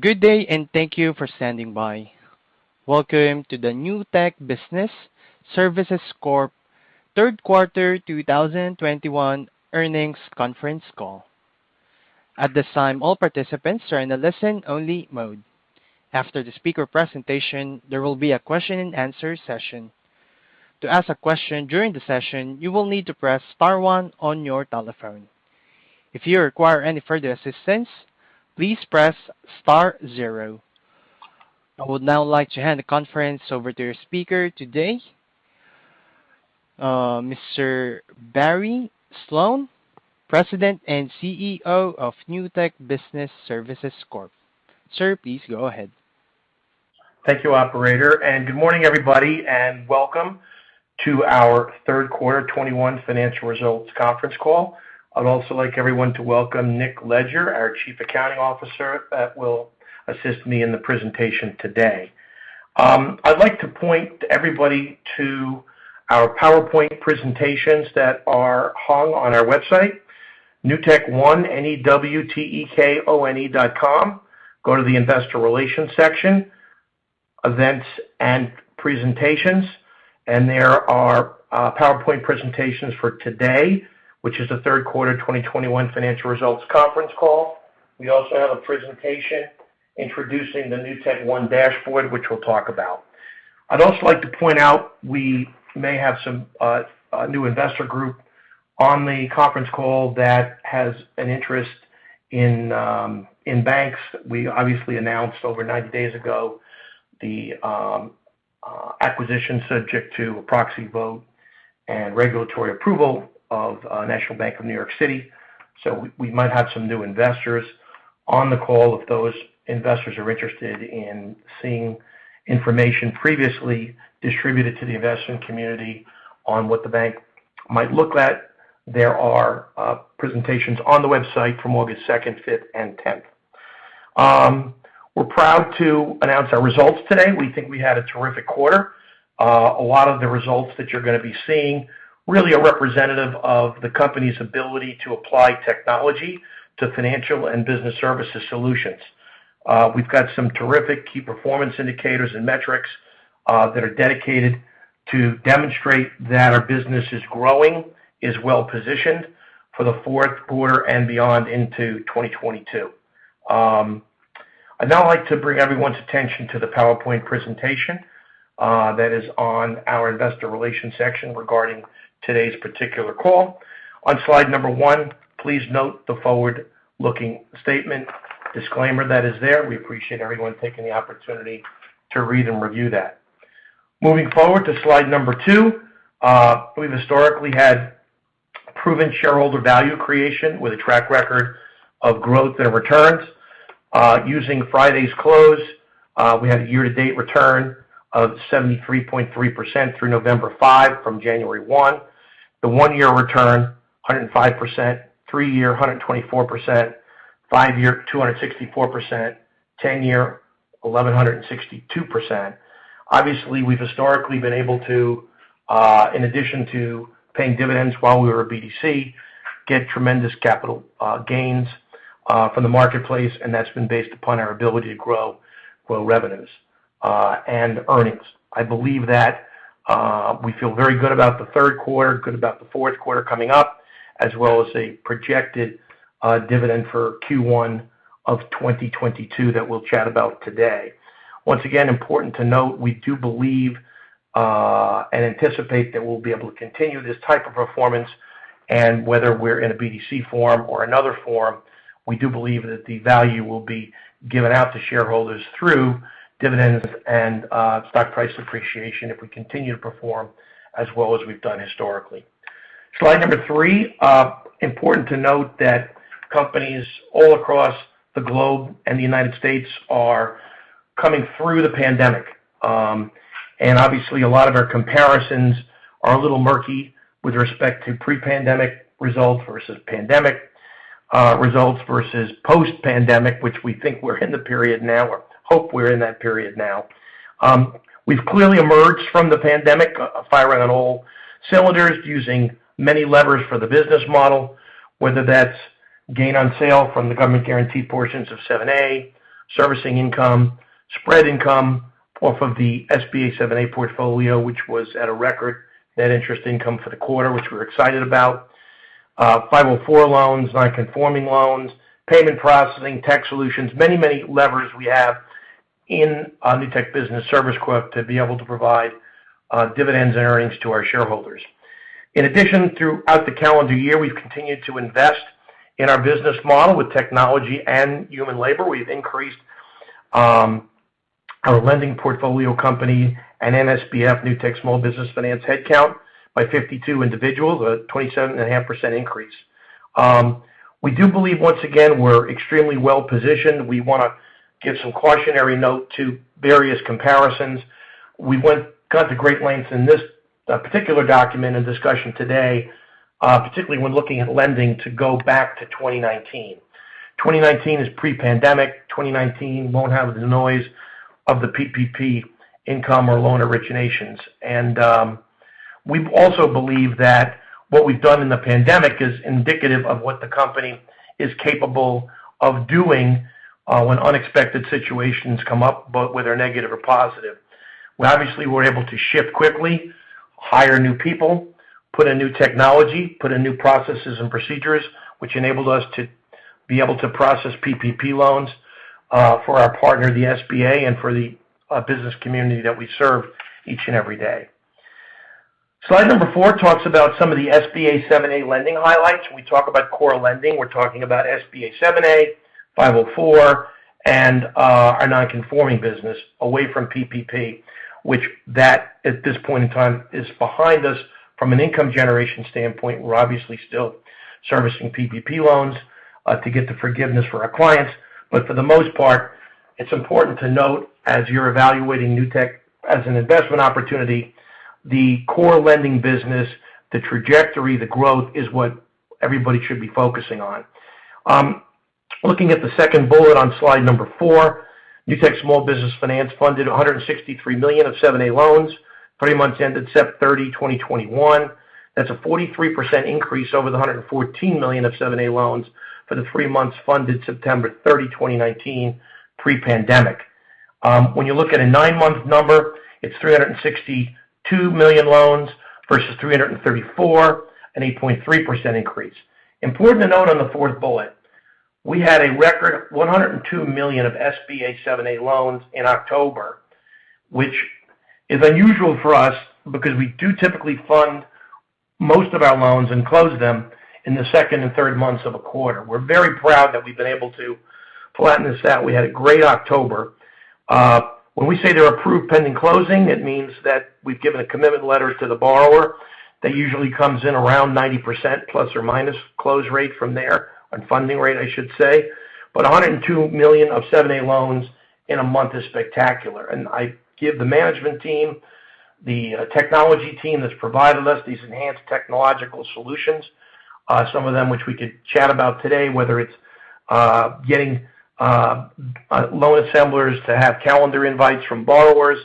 Good day and thank you for standing by. Welcome to the Newtek Business Services Corp third quarter 2021 earnings conference call. At this time, all participants are in a listen-only mode. After the speaker presentation, there will be a question-and-answer session. To ask a question during the session, you will need to press star one on your telephone. If you require any further assistance, please press star zero. I would now like to hand the conference over to your speaker today, Mr. Barry Sloane, President and CEO of Newtek Business Services Corp. Sir, please go ahead. Thank you, operator, and good morning, everybody, and welcome to our third quarter 2021 financial results conference call. I'd also like everyone to welcome Nick Leger, our Chief Accounting Officer, that will assist me in the presentation today. I'd like to point everybody to our PowerPoint presentations that are hung on our website, newtekone.com. Go to the investor relations section, events and presentations. There are PowerPoint presentations for today, which is the third quarter of 2021 financial results conference call. We also have a presentation introducing the NewtekOne Dashboard, which we'll talk about. I'd also like to point out we may have some a new investor group on the conference call that has an interest in banks. We obviously announced over 90 days ago the acquisition subject to a proxy vote and regulatory approval of National Bank of New York City. We might have some new investors on the call. If those investors are interested in seeing information previously distributed to the investment community on what the bank might look at, there are presentations on the website from August 2nd, 5th, and 10th. We're proud to announce our results today. We think we had a terrific quarter. A lot of the results that you're gonna be seeing really are representative of the company's ability to apply technology to financial and business services solutions. We've got some terrific key performance indicators and metrics that are dedicated to demonstrate that our business is growing, is well-positioned for the fourth quarter and beyond into 2022. I'd now like to bring everyone's attention to the PowerPoint presentation that is on our investor relations section regarding today's particular call. On slide number one, please note the forward-looking statement disclaimer that is there. We appreciate everyone taking the opportunity to read and review that. Moving forward to slide number two. We've historically had proven shareholder value creation with a track record of growth and returns. Using Friday's close, we had a year-to-date return of 73.3% through November 5 from January 1. The one-year return, 105%. Three-year, 124%. Five-year, 264%. Ten-year, 1,162%. Obviously, we've historically been able to—in addition to paying dividends while we were a BDC—get tremendous capital gains from the marketplace, and that's been based upon our ability to grow revenues and earnings. I believe that we feel very good about the third quarter, good about the fourth quarter coming up, as well as a projected dividend for Q1 of 2022 that we'll chat about today. Once again, important to note, we do believe and anticipate that we'll be able to continue this type of performance. Whether we're in a BDC form or another form, we do believe that the value will be given out to shareholders through dividends and stock price appreciation if we continue to perform as well as we've done historically. Slide number three. Important to note that companies all across the globe and the United States are coming through the pandemic. Obviously, a lot of our comparisons are a little murky with respect to pre-pandemic results versus pandemic results versus post-pandemic, which we think we're in the period now or hope we're in that period now. We've clearly emerged from the pandemic, firing on all cylinders, using many levers for the business model, whether that's gain on sale from the government guaranteed portions of 7(a), servicing income, spread income off of the SBA 7(a) portfolio, which was at a record net interest income for the quarter, which we're excited about. 504 loans, non-conforming loans, payment processing, tech solutions. Many, many levers we have in, on Newtek Business Services Corp to be able to provide dividends and earnings to our shareholders. In addition, throughout the calendar year, we've continued to invest in our business model with technology and human labor. We've increased our lending portfolio company and NSBF, Newtek Small Business Finance headcount, by 52 individuals, a 27.5% increase. We do believe, once again, we're extremely well-positioned. We wanna give some cautionary note to various comparisons. We've gone to great lengths in this particular document and discussion today, particularly when looking at lending to go back to 2019. 2019 is pre-pandemic. 2019 won't have the noise of the PPP income or loan originations. We also believe that what we've done in the pandemic is indicative of what the company is capable of doing, when unexpected situations come up, but whether negative or positive. We obviously were able to shift quickly, hire new people, put in new technology, put in new processes and procedures, which enabled us to be able to process PPP loans for our partner, the SBA, and for the business community that we serve each and every day. Slide number four talks about some of the SBA 7(a) lending highlights. When we talk about core lending, we're talking about SBA 7(a), SBA 504, and our non-conforming business away from PPP, which that, at this point in time, is behind us from an income generation standpoint. We're obviously still servicing PPP loans to get the forgiveness for our clients. For the most part, it's important to note as you're evaluating Newtek as an investment opportunity, the core lending business, the trajectory, the growth is what everybody should be focusing on. Looking at the second bullet on slide four, Newtek Small Business Finance funded $163 million of 7(a) loans, three months ended September 30, 2021. That's a 43% increase over the $114 million of 7(a) loans for the three months ended September 30, 2019 pre-pandemic. When you look at a nine-month number, it's $362 million loans versus $334 million, an 8.3% increase. Important to note on the fourth bullet, we had a record $102 million of SBA 7(a) loans in October, which is unusual for us because we do typically fund most of our loans and close them in the second and third months of a quarter. We're very proud that we've been able to flatten this out. We had a great October. When we say they're approved pending closing, it means that we've given a commitment letter to the borrower. That usually comes in around 90%± close rate from there, on funding rate, I should say. $102 million of 7(a) loans in a month is spectacular. I give the management team, the technology team that's provided us these enhanced technological solutions, some of them which we could chat about today, whether it's getting loan assemblers to have calendar invites from borrowers,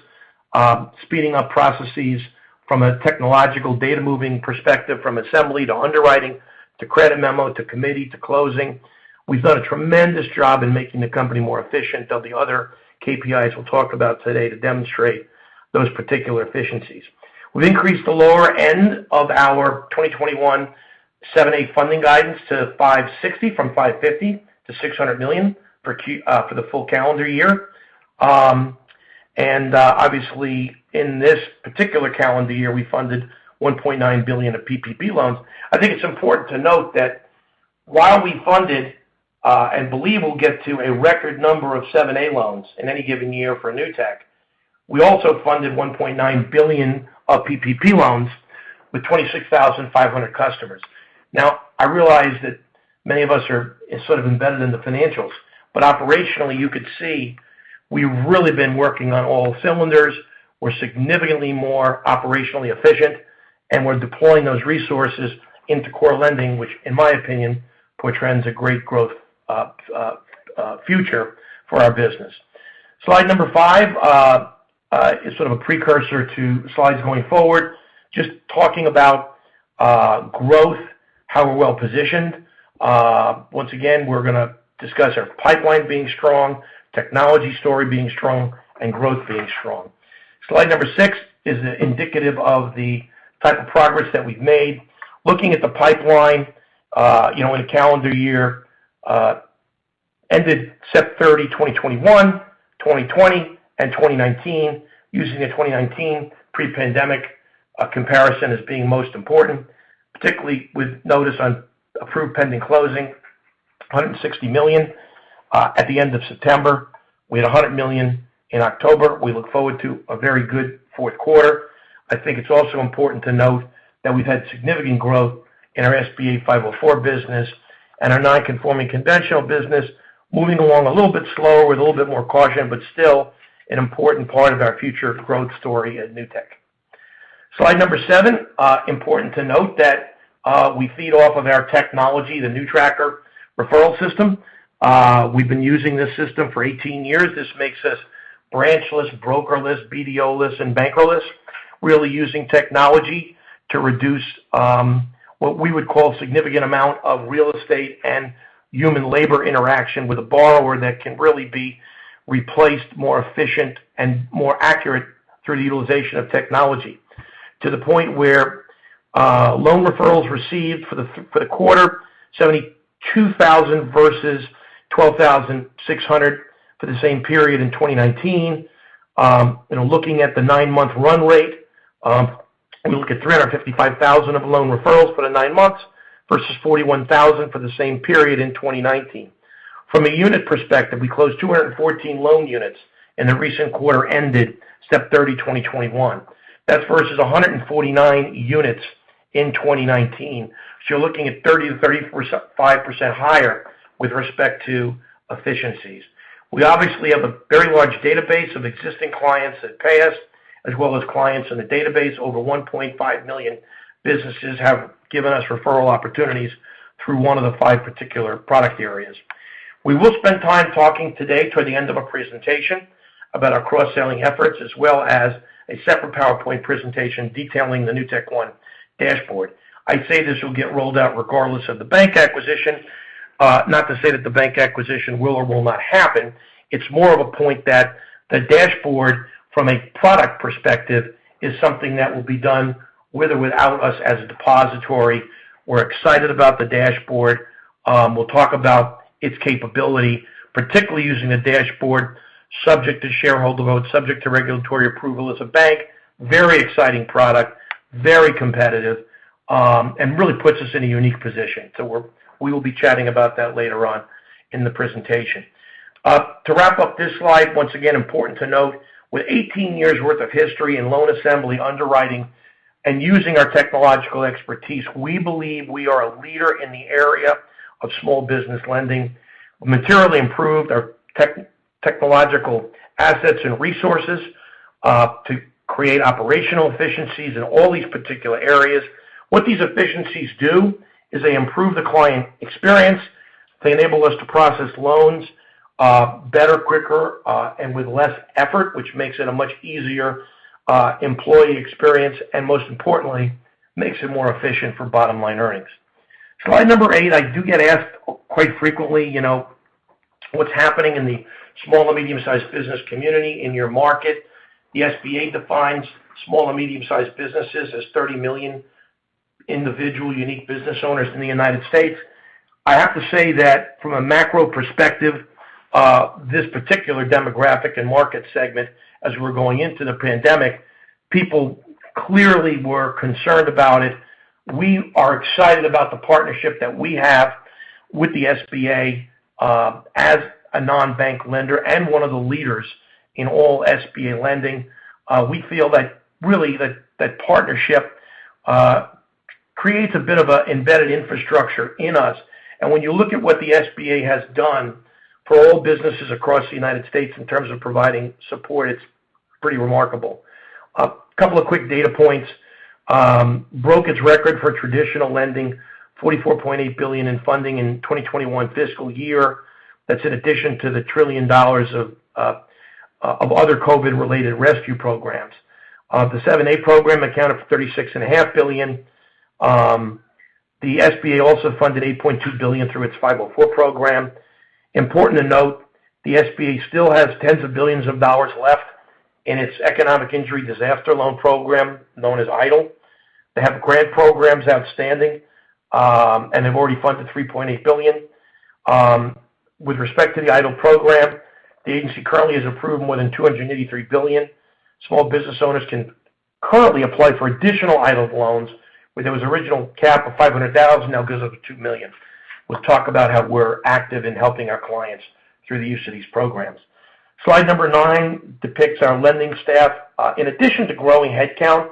speeding up processes from a technological data moving perspective, from assembly to underwriting to credit memo to committee to closing. We've done a tremendous job in making the company more efficient. There'll be other KPIs we'll talk about today to demonstrate those particular efficiencies. We've increased the lower end of our 2021 7(a) funding guidance to $560 million from $550 million-$600 million for the full calendar year. Obviously in this particular calendar year, we funded $1.9 billion of PPP loans. I think it's important to note that while we funded and believe we'll get to a record number of 7(a) loans in any given year for Newtek, we also funded $1.9 billion of PPP loans with 26,500 customers. Now, I realize that many of us are sort of embedded in the financials, but operationally, you could see we've really been working on all cylinders. We're significantly more operationally efficient, and we're deploying those resources into core lending, which in my opinion, portends a great growth future for our business. Slide number five is sort of a precursor to slides going forward, just talking about growth, how we're well-positioned. Once again, we're gonna discuss our pipeline being strong, technology story being strong, and growth being strong. Slide number six is indicative of the type of progress that we've made. Looking at the pipeline, you know, in calendar year ended September 30, 2021, 2020, and 2019, using the 2019 pre-pandemic comparison as being most important, particularly with notes on approved pending closing, $160 million at the end of September. We had $100 million in October. We look forward to a very good fourth quarter. I think it's also important to note that we've had significant growth in our SBA 504 business and our non-conforming conventional business moving along a little bit slower with a little bit more caution, but still an important part of our future growth story at Newtek. Slide number seven, important to note that we feed off of our technology, the NewTracker referral system. We've been using this system for 18 years. This makes us branchless, brokerless, BDO-less, and bankerless. Really using technology to reduce what we would call a significant amount of real estate and human labor interaction with a borrower that can really be replaced, more efficient, and more accurate through the utilization of technology. To the point where loan referrals received for the quarter, 72,000 versus 12,600 for the same period in 2019. Looking at the nine-month run rate, we look at 355,000 of loan referrals for the nine months versus 41,000 for the same period in 2019. From a unit perspective, we closed 214 loan units in the recent quarter ended September 30, 2021. That's versus 149 units in 2019. You're looking at 30%-35% higher with respect to efficiencies. We obviously have a very large database of existing clients that pay us, as well as clients in the database. Over 1.5 million businesses have given us referral opportunities through one of the five particular product areas. We will spend time talking today toward the end of our presentation about our cross-selling efforts, as well as a separate PowerPoint presentation detailing the NewtekOne Dashboard. I'd say this will get rolled out regardless of the bank acquisition. Not to say that the bank acquisition will or will not happen. It's more of a point that the dashboard, from a product perspective, is something that will be done with or without us as a depository. We're excited about the dashboard. We'll talk about its capability, particularly using a dashboard subject to shareholder vote, subject to regulatory approval as a bank. Very exciting product, very competitive, and really puts us in a unique position. We will be chatting about that later on in the presentation. To wrap up this slide, once again, important to note, with 18 years' worth of history in loan assembly underwriting and using our technological expertise, we believe we are a leader in the area of small business lending. We materially improved our technological assets and resources to create operational efficiencies in all these particular areas. What these efficiencies do is they improve the client experience. They enable us to process loans better, quicker, and with less effort, which makes it a much easier employee experience, and most importantly, makes it more efficient for bottom-line earnings. Slide number eight, I do get asked quite frequently, you know, what's happening in the small or medium-sized business community in your market. The SBA defines small or medium-sized businesses as 30 million individual unique business owners in the United States. I have to say that from a macro perspective, this particular demographic and market segment, as we're going into the pandemic, people clearly were concerned about it. We are excited about the partnership that we have with the SBA, as a non-bank lender and one of the leaders in all SBA lending. We feel that really that partnership creates a bit of a embedded infrastructure in us. When you look at what the SBA has done for all businesses across the United States in terms of providing support, it's pretty remarkable. A couple of quick data points. Broke its record for traditional lending, $44.8 billion in funding in 2021 fiscal year. That's in addition to the $1 trillion of other COVID-related rescue programs. The 7(a) program accounted for $36.5 billion. The SBA also funded $8.2 billion through its 504 program. Important to note, the SBA still has tens of billions of dollars left in its Economic Injury Disaster Loan program known as EIDL. They have grant programs outstanding, and they've already funded $3.8 billion. With respect to the EIDL program, the agency currently has approved more than $283 billion. Small business owners can currently apply for additional EIDL loans, where there was original cap of $500,000, now it goes up to $2 million. We'll talk about how we're active in helping our clients through the use of these programs. Slide number nine depicts our lending staff. In addition to growing head count,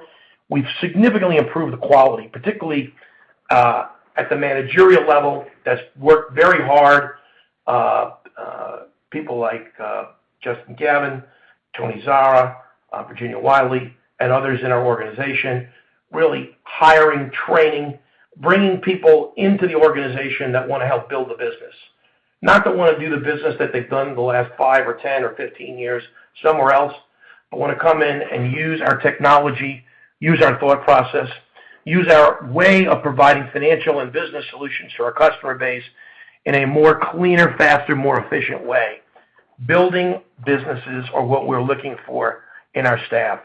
we've significantly improved the quality, particularly, at the managerial level that's worked very hard. People like Justin Gavin, Tony Zara, Virginia Wiley, and others in our organization really hiring, training, bringing people into the organization that wanna help build the business. Not that wanna do the business that they've done the last five or 10 or 15 years somewhere else, but wanna come in and use our technology, use our thought process, use our way of providing financial and business solutions to our customer base in a more cleaner, faster, more efficient way. Building businesses are what we're looking for in our staff.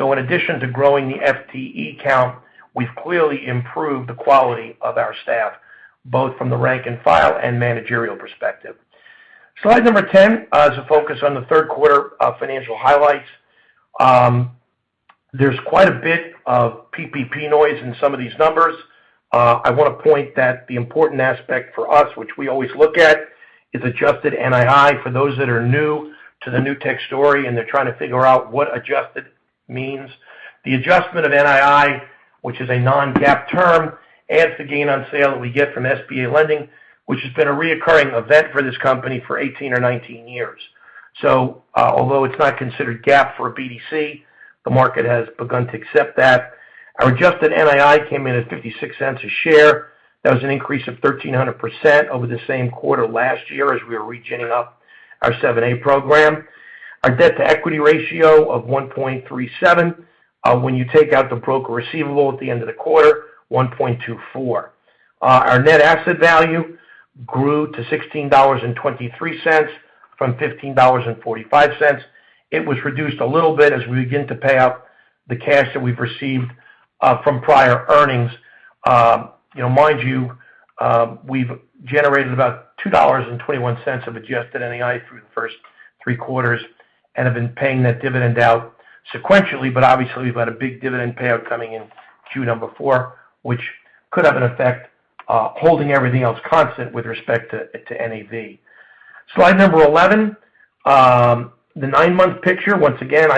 In addition to growing the FTE count, we've clearly improved the quality of our staff, both from the rank and file and managerial perspective. Slide number 10 is a focus on the third quarter financial highlights. There's quite a bit of PPP noise in some of these numbers. I want to point out that the important aspect for us, which we always look at, is adjusted NII. For those that are new to the Newtek story, and they're trying to figure out what adjusted means. The adjustment of NII, which is a non-GAAP term, adds the gain on sale that we get from SBA lending, which has been a recurring event for this company for 18 or 19 years. Although it's not considered GAAP for a BDC, the market has begun to accept that. Our adjusted NII came in at $0.56 a share. That was an increase of 1300% over the same quarter last year as we were ramp up our 7(a) program. Our debt-to-equity ratio of 1.37x. When you take out the broker receivable at the end of the quarter, 1.24x. Our net asset value grew to $16.23 from $15.45. It was reduced a little bit as we begin to pay out the cash that we've received from prior earnings. You know, mind you, we've generated about $2.21 of adjusted NII through the first three quarters and have been paying that dividend out sequentially. Obviously, we've got a big dividend payout coming in Q4, which could have an effect, holding everything else constant with respect to NAV. Slide 11. The nine-month picture. Once again,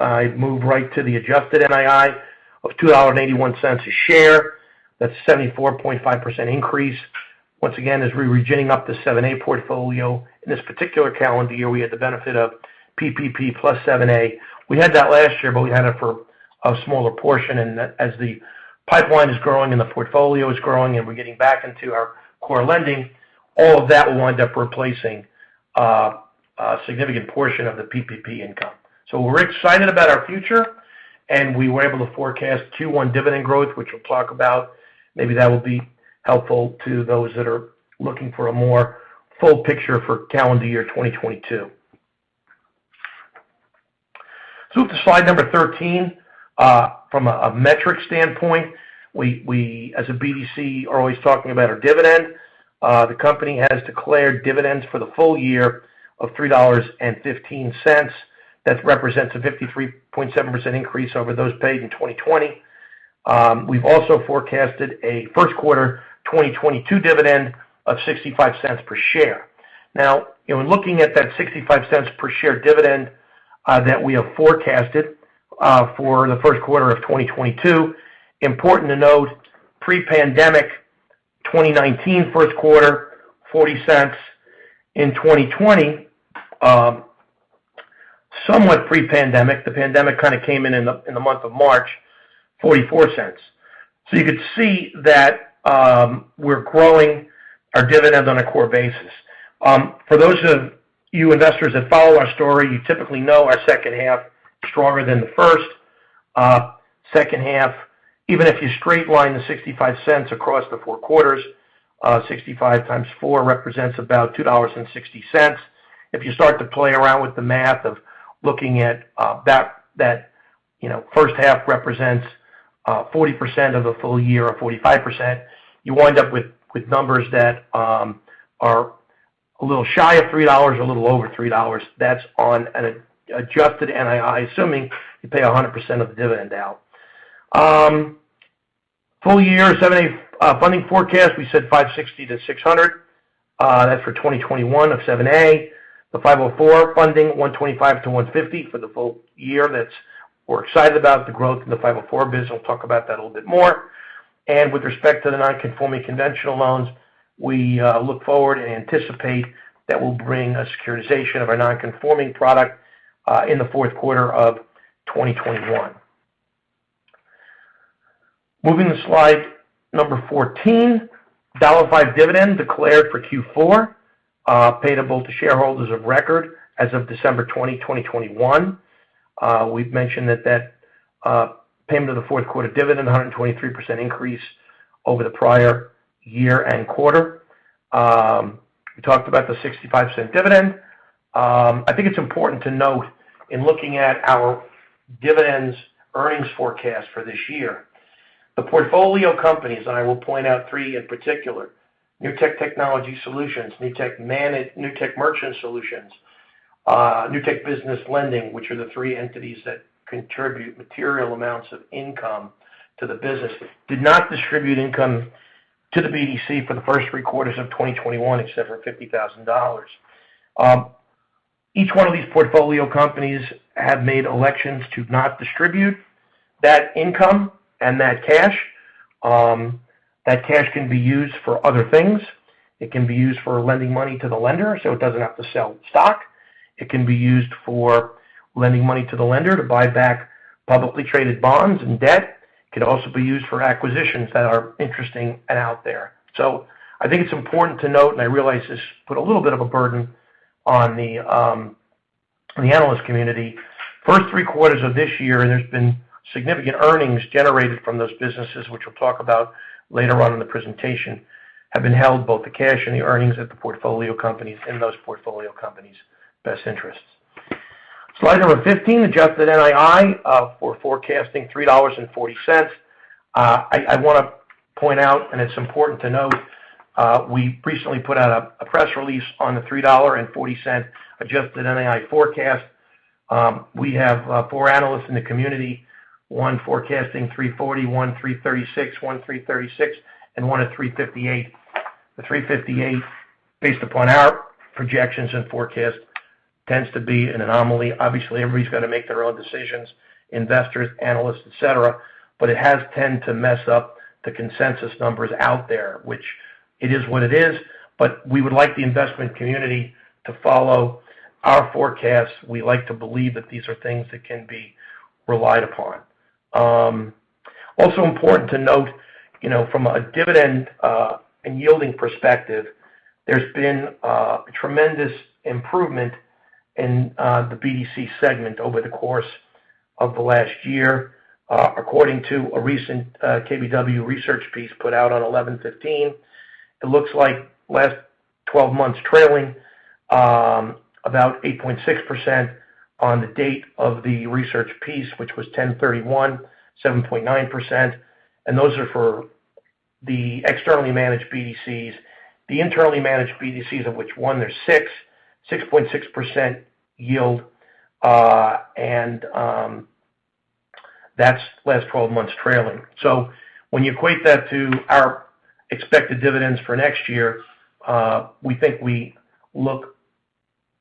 I move right to the adjusted NII of $2.81 a share. That's a 74.5% increase. Once again, as we're ramp up the 7(a) portfolio. In this particular calendar year, we had the benefit of PPP plus 7(a). We had that last year, but we had it for a smaller portion. As the pipeline is growing and the portfolio is growing, and we're getting back into our core lending. All of that will wind up replacing a significant portion of the PPP income. We're excited about our future, and we were able to forecast 2021 dividend growth, which we'll talk about. Maybe that will be helpful to those that are looking for a more full picture for calendar year 2022. Flip to slide 13. From a metric standpoint, we as a BDC are always talking about our dividend. The company has declared dividends for the full year of $3.15. That represents a 53.7% increase over those paid in 2020. We've also forecasted a first quarter 2022 dividend of $0.65 per share. Now, in looking at that $0.65 per share dividend that we have forecasted for the first quarter of 2022, important to note, pre-pandemic 2019 first quarter, $0.40. In 2020, somewhat pre-pandemic, the pandemic kind of came in the month of March, $0.44. You could see that we're growing our dividends on a core basis. For those of you investors that follow our story, you typically know our second half stronger than the first. Second half, even if you straight line the $0.65 across the four quarters, $0.65 times four represents about $2.60. If you start to play around with the math of looking at that, you know, first half represents 40% of the full year or 45%, you wind up with numbers that are a little shy of $3 or a little over $3. That's on an adjusted NII, assuming you pay 100% of the dividend out. Full year 7(a) funding forecast, we said $560 million-$600 million. That's for 2021 of 7(a). The SBA 504 funding, $125 million-$150 million for the full year. That's. We're excited about the growth in the SBA 504 business. We'll talk about that a little bit more. With respect to the non-conforming conventional loans, we look forward and anticipate that we'll bring a securitization of our non-conforming product in the fourth quarter of 2021. Moving to slide number 14. $0.05 dividend declared for Q4, payable to shareholders of record as of December 20, 2021. We've mentioned that payment of the fourth quarter dividend, 123% increase over the prior year and quarter. We talked about the $0.65 dividend. I think it's important to note in looking at our dividends earnings forecast for this year, the portfolio companies, and I will point out three in particular, Newtek Technology Solutions, Newtek Merchant Solutions, Newtek Business Lending, which are the three entities that contribute material amounts of income to the business, did not distribute income to the BDC for the first three quarters of 2021 except for $50,000. Each one of these portfolio companies have made elections to not distribute that income and that cash. That cash can be used for other things. It can be used for lending money to the lender, so it doesn't have to sell stock. It can be used for lending money to the lender to buy back publicly traded bonds and debt. It could also be used for acquisitions that are interesting and out there. I think it's important to note, and I realize this put a little bit of a burden on the analyst community. First three quarters of this year, and there's been significant earnings generated from those businesses, which we'll talk about later on in the presentation. Have been held both the cash and the earnings at the portfolio companies in those portfolio companies' best interests. Slide number 15, adjusted NII, we're forecasting $3.40. I wanna point out, and it's important to note, we recently put out a press release on the $3.40 adjusted NII forecast. We have four analysts in the community, one forecasting $3.40, one $3.36, one $3.36, and one at $3.58. The $3.58, based upon our projections and forecast, tends to be an anomaly. Obviously, everybody's gonna make their own decisions, investors, analysts, et cetera, but it has tended to mess up the consensus numbers out there, which it is what it is. We would like the investment community to follow our forecasts. We like to believe that these are things that can be relied upon. Also important to note, you know, from a dividend and yielding perspective, there's been tremendous improvement in the BDC segment over the course of the last year. According to a recent KBW research piece put out on November 15, it looks like last 12-months trailing, about 8.6% on the date of the research piece, which was October 31, 7.9%. Those are for the externally managed BDCs. The internally managed BDCs, of which there's one, 6.6% yield, and that's last 12-months trailing. When you equate that to our expected dividends for next year, we think we look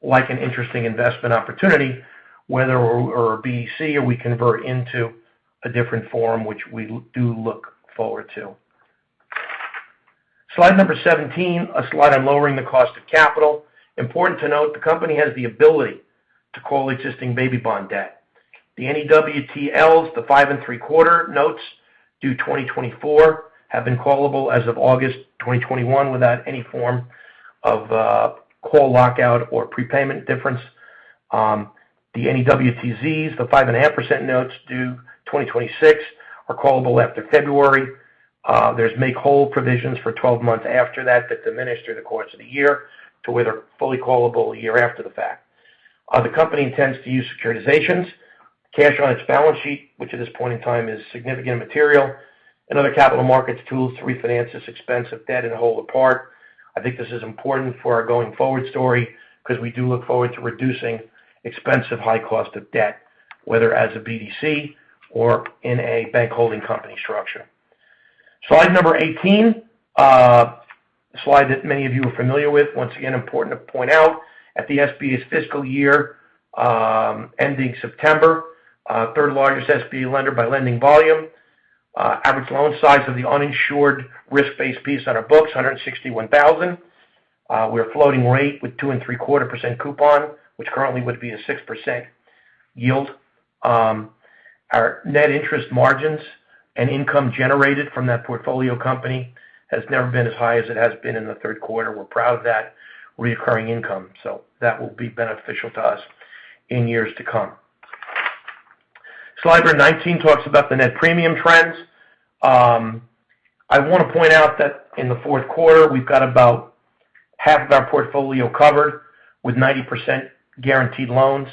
like an interesting investment opportunity, whether we're a BDC or we convert into a different form, which we do look forward to. Slide number 17, a slide on lowering the cost of capital. Important to note, the company has the ability to call existing baby bond debt. The NEWTLs, the 5.75% notes due 2024 have been callable as of August 2021 without any form of call lockout or prepayment difference. The NEWTZs, the 5.5% notes due 2026 are callable after February. There's make-whole provisions for 12 months after that diminish through the course of the year to where they're fully callable a year after the fact. The company intends to use securitizations, cash on its balance sheet, which at this point in time is significant material, and other capital markets tools to refinance this expensive debt and hold apart. I think this is important for our going-forward story because we do look forward to reducing expensive high cost of debt, whether as a BDC or in a bank holding company structure. Slide number 18. A slide that many of you are familiar with. Once again, important to point out at the SBA's fiscal year, ending September, third-largest SBA lender by lending volume. Average loan size of the uninsured risk-based piece on our books, $161,000. We're floating rate with 2.75% coupon, which currently would be a 6% yield. Our net interest margins and income generated from that portfolio company has never been as high as it has been in the third quarter. We're proud of that recurring income. That will be beneficial to us in years to come. Slide number 19 talks about the net premium trends. I wanna point out that in the fourth quarter, we've got about half of our portfolio covered with 90% guaranteed loans,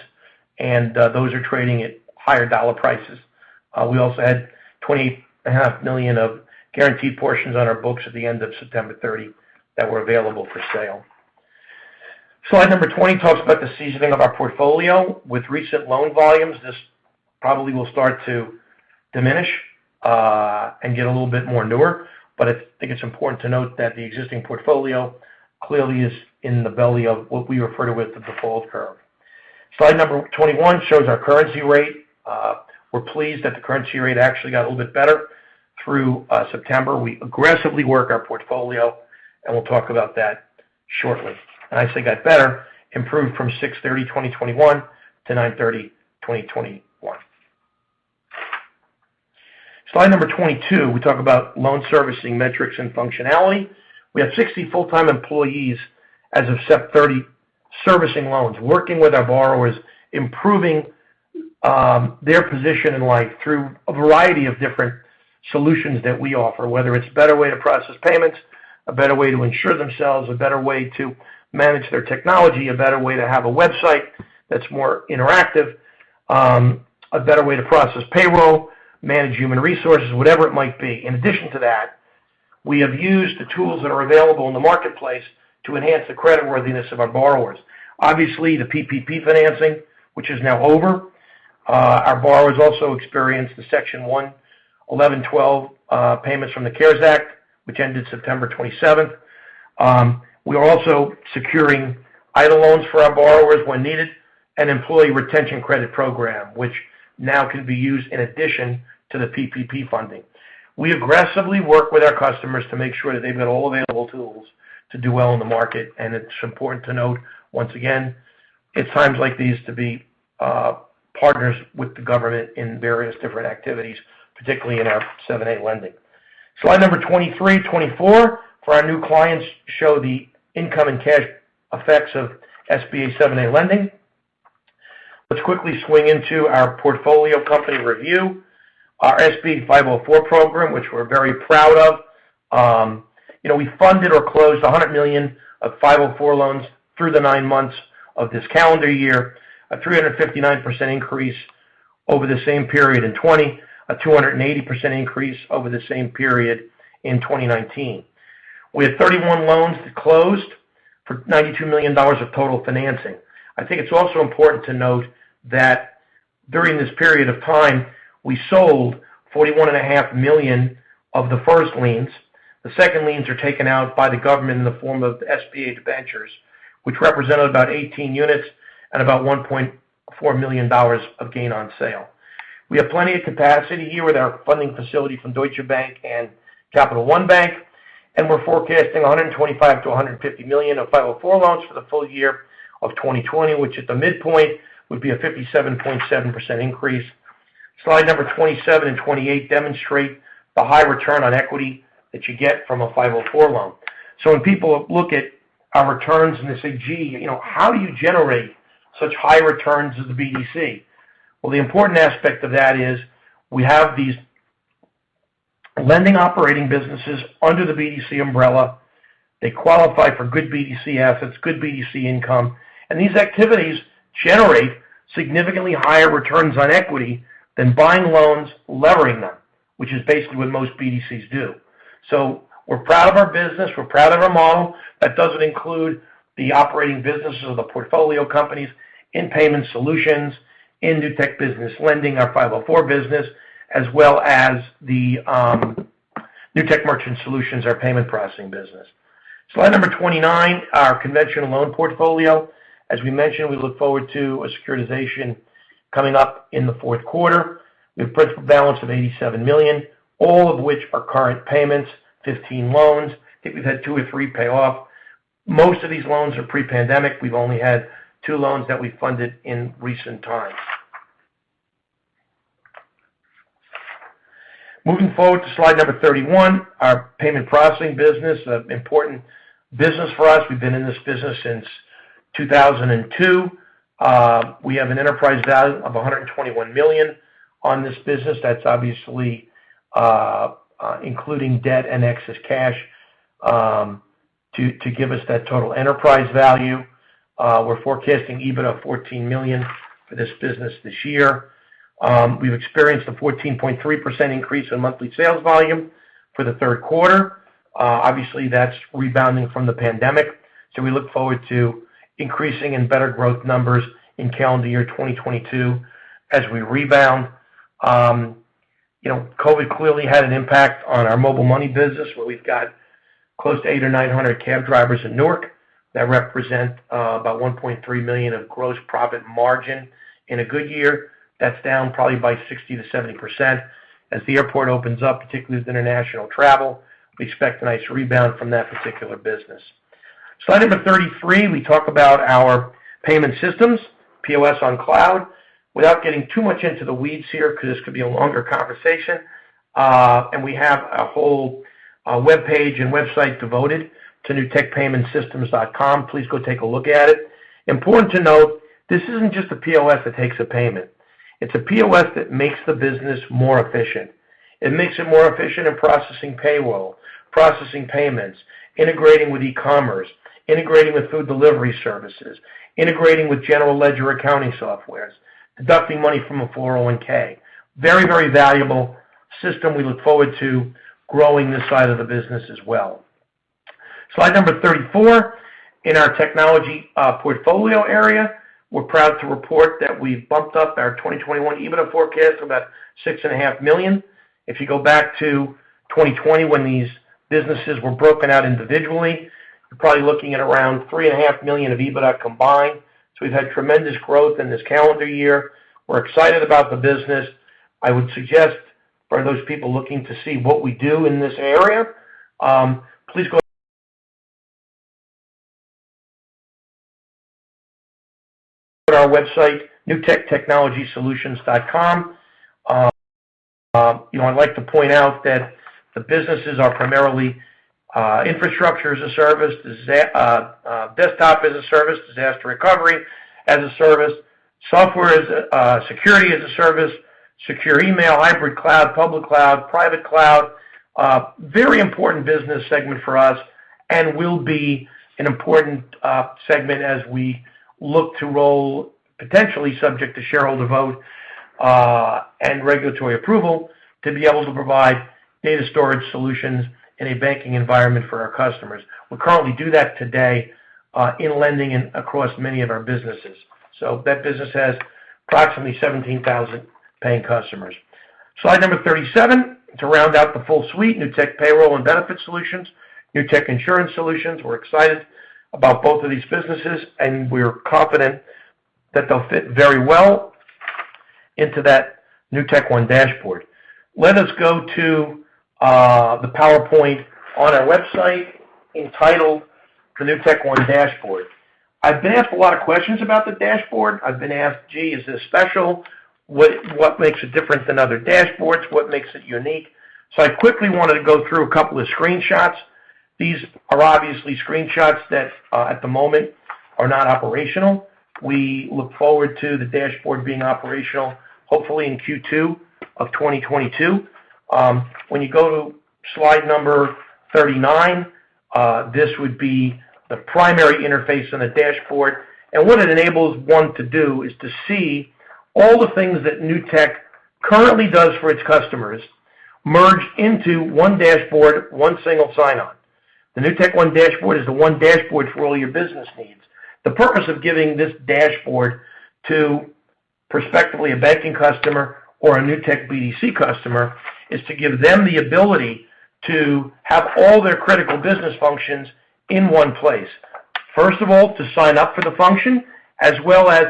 and those are trading at higher dollar prices. We also had $28.5 million of guaranteed portions on our books at the end of September 30 that were available for sale. Slide number 20 talks about the seasoning of our portfolio. With recent loan volumes, this probably will start to diminish and get a little bit newer. I think it's important to note that the existing portfolio clearly is in the belly of the default curve. Slide number 21 shows our delinquency rate. We're pleased that the delinquency rate actually got a little bit better through September. We aggressively work our portfolio, and we'll talk about that shortly. I say got better, improved from June 30, 2021 to September 30, 2021. Slide number 22. We talk about loan servicing metrics and functionality. We have 60 full-time employees as of September 30 servicing loans, working with our borrowers, improving their position in life through a variety of different solutions that we offer, whether it's a better way to process payments, a better way to insure themselves, a better way to manage their technology, a better way to have a website that's more interactive, a better way to process payroll, manage human resources, whatever it might be. In addition to that, we have used the tools that are available in the marketplace to enhance the creditworthiness of our borrowers. Obviously, the PPP financing, which is now over. Our borrowers also experienced the Section 1112 payments from the CARES Act, which ended September 27. We're also securing EIDL loans for our borrowers when needed, an Employee Retention Credit program, which now can be used in addition to the PPP funding. We aggressively work with our customers to make sure that they've got all available tools to do well in the market. It's important to note, once again, it's times like these to be partners with the government in various different activities, particularly in our 7(a) lending. Slide number 23, 24, for our new clients, show the income and cash effects of SBA 7(a) lending. Let's quickly swing into our portfolio company review. Our SBA 504 program, which we're very proud of. You know, we funded or closed $100 million of 504 loans through the nine months of this calendar year, a 359% increase over the same period in 2020, a 280% increase over the same period in 2019. We had 31 loans closed for $92 million of total financing. I think it's also important to note that during this period of time, we sold $41.5 million of the first liens. The second liens are taken out by the government in the form of SBA debentures, which represented about 18 units and about $1.4 million of gain on sale. We have plenty of capacity here with our funding facility from Deutsche Bank and Capital One Bank, and we're forecasting $125 million-$150 million of 504 loans for the full year of 2021, which at the midpoint would be a 57.7% increase. Slide number 27 and 28 demonstrate the high return on equity that you get from a 504 loan. When people look at our returns and they say, "Gee, you know, how do you generate such high returns as a BDC?" Well, the important aspect of that is we have these lending operating businesses under the BDC umbrella. They qualify for good BDC assets, good BDC income. These activities generate significantly higher returns on equity than buying loans, levering them, which is basically what most BDCs do. We're proud of our business. We're proud of our model. That doesn't include the operating businesses of the portfolio companies in payment solutions, in Newtek Business Lending, our SBA 504 business, as well as the Newtek Merchant Solutions, our payment processing business. Slide number 29, our conventional loan portfolio. As we mentioned, we look forward to a securitization coming up in the fourth quarter. We have principal balance of $87 million, all of which are current payments, 15 loans. I think we've had two or three paid off. Most of these loans are pre-pandemic. We've only had two loans that we funded in recent times. Moving forward to slide number 31. Our payment processing business, an important business for us. We've been in this business since 2002. We have an enterprise value of $121 million on this business. That's obviously including debt and excess cash to give us that total enterprise value. We're forecasting EBIT of $14 million for this business this year. We've experienced a 14.3% increase in monthly sales volume for the third quarter. Obviously that's rebounding from the pandemic, so we look forward to increasing and better growth numbers in calendar year 2022 as we rebound. You know, COVID clearly had an impact on our mobile money business, where we've got close to 800 or 900 cab drivers in Newark that represent about $1.3 million of gross profit margin. In a good year, that's down probably by 60%-70%. As the airport opens up, particularly with international travel, we expect a nice rebound from that particular business. Slide number 33, we talk about our payment systems, POS on Cloud. Without getting too much into the weeds here because this could be a longer conversation, and we have a whole webpage and website devoted to newtekpaymentsystems.com. Please go take a look at it. Important to note, this isn't just a POS that takes a payment. It's a POS that makes the business more efficient. It makes it more efficient in processing payroll, processing payments, integrating with e-commerce, integrating with food delivery services, integrating with general ledger accounting software, deducting money from a 401(k). Very, very valuable system. We look forward to growing this side of the business as well. Slide number 34. In our technology, portfolio area, we're proud to report that we've bumped up our 2021 EBITDA forecast of about $6.5 million. If you go back to 2020 when these businesses were broken out individually, you're probably looking at around $3.5 million of EBITDA combined. We've had tremendous growth in this calendar year. We're excited about the business. I would suggest for those people looking to see what we do in this area, please go to our website, newtektechnologysolutions.com. You know, I'd like to point out that the businesses are primarily infrastructure as a service, desktop as a service, disaster recovery as a service, security as a service, secure email, hybrid cloud, public cloud, private cloud. Very important business segment for us and will be an important segment as we look to roll out, potentially subject to shareholder vote and regulatory approval, to be able to provide data storage solutions in a banking environment for our customers. We currently do that today in lending and across many of our businesses. That business has approximately 17,000 paying customers. Slide number 37, to round out the full suite, Newtek Payroll & Benefits Solutions, Newtek Insurance Solutions. We're excited about both of these businesses, and we're confident that they'll fit very well into that NewtekOne Dashboard. Let us go to the PowerPoint on our website entitled The NewtekOne Dashboard. I've been asked a lot of questions about the dashboard. I've been asked, "Gee, is this special? What makes it different than other dashboards? What makes it unique?" I quickly wanted to go through a couple of screenshots. These are obviously screenshots that, at the moment, are not operational. We look forward to the dashboard being operational hopefully in Q2 of 2022. When you go to slide number 39, this would be the primary interface on the dashboard. What it enables one to do is to see all the things that Newtek currently does for its customers merge into one dashboard, one single sign-on. The NewtekOne Dashboard is the one dashboard for all your business needs. The purpose of giving this dashboard to prospectively a banking customer or a Newtek BDC customer is to give them the ability to have all their critical business functions in one place. First of all, to sign up for the function, as well as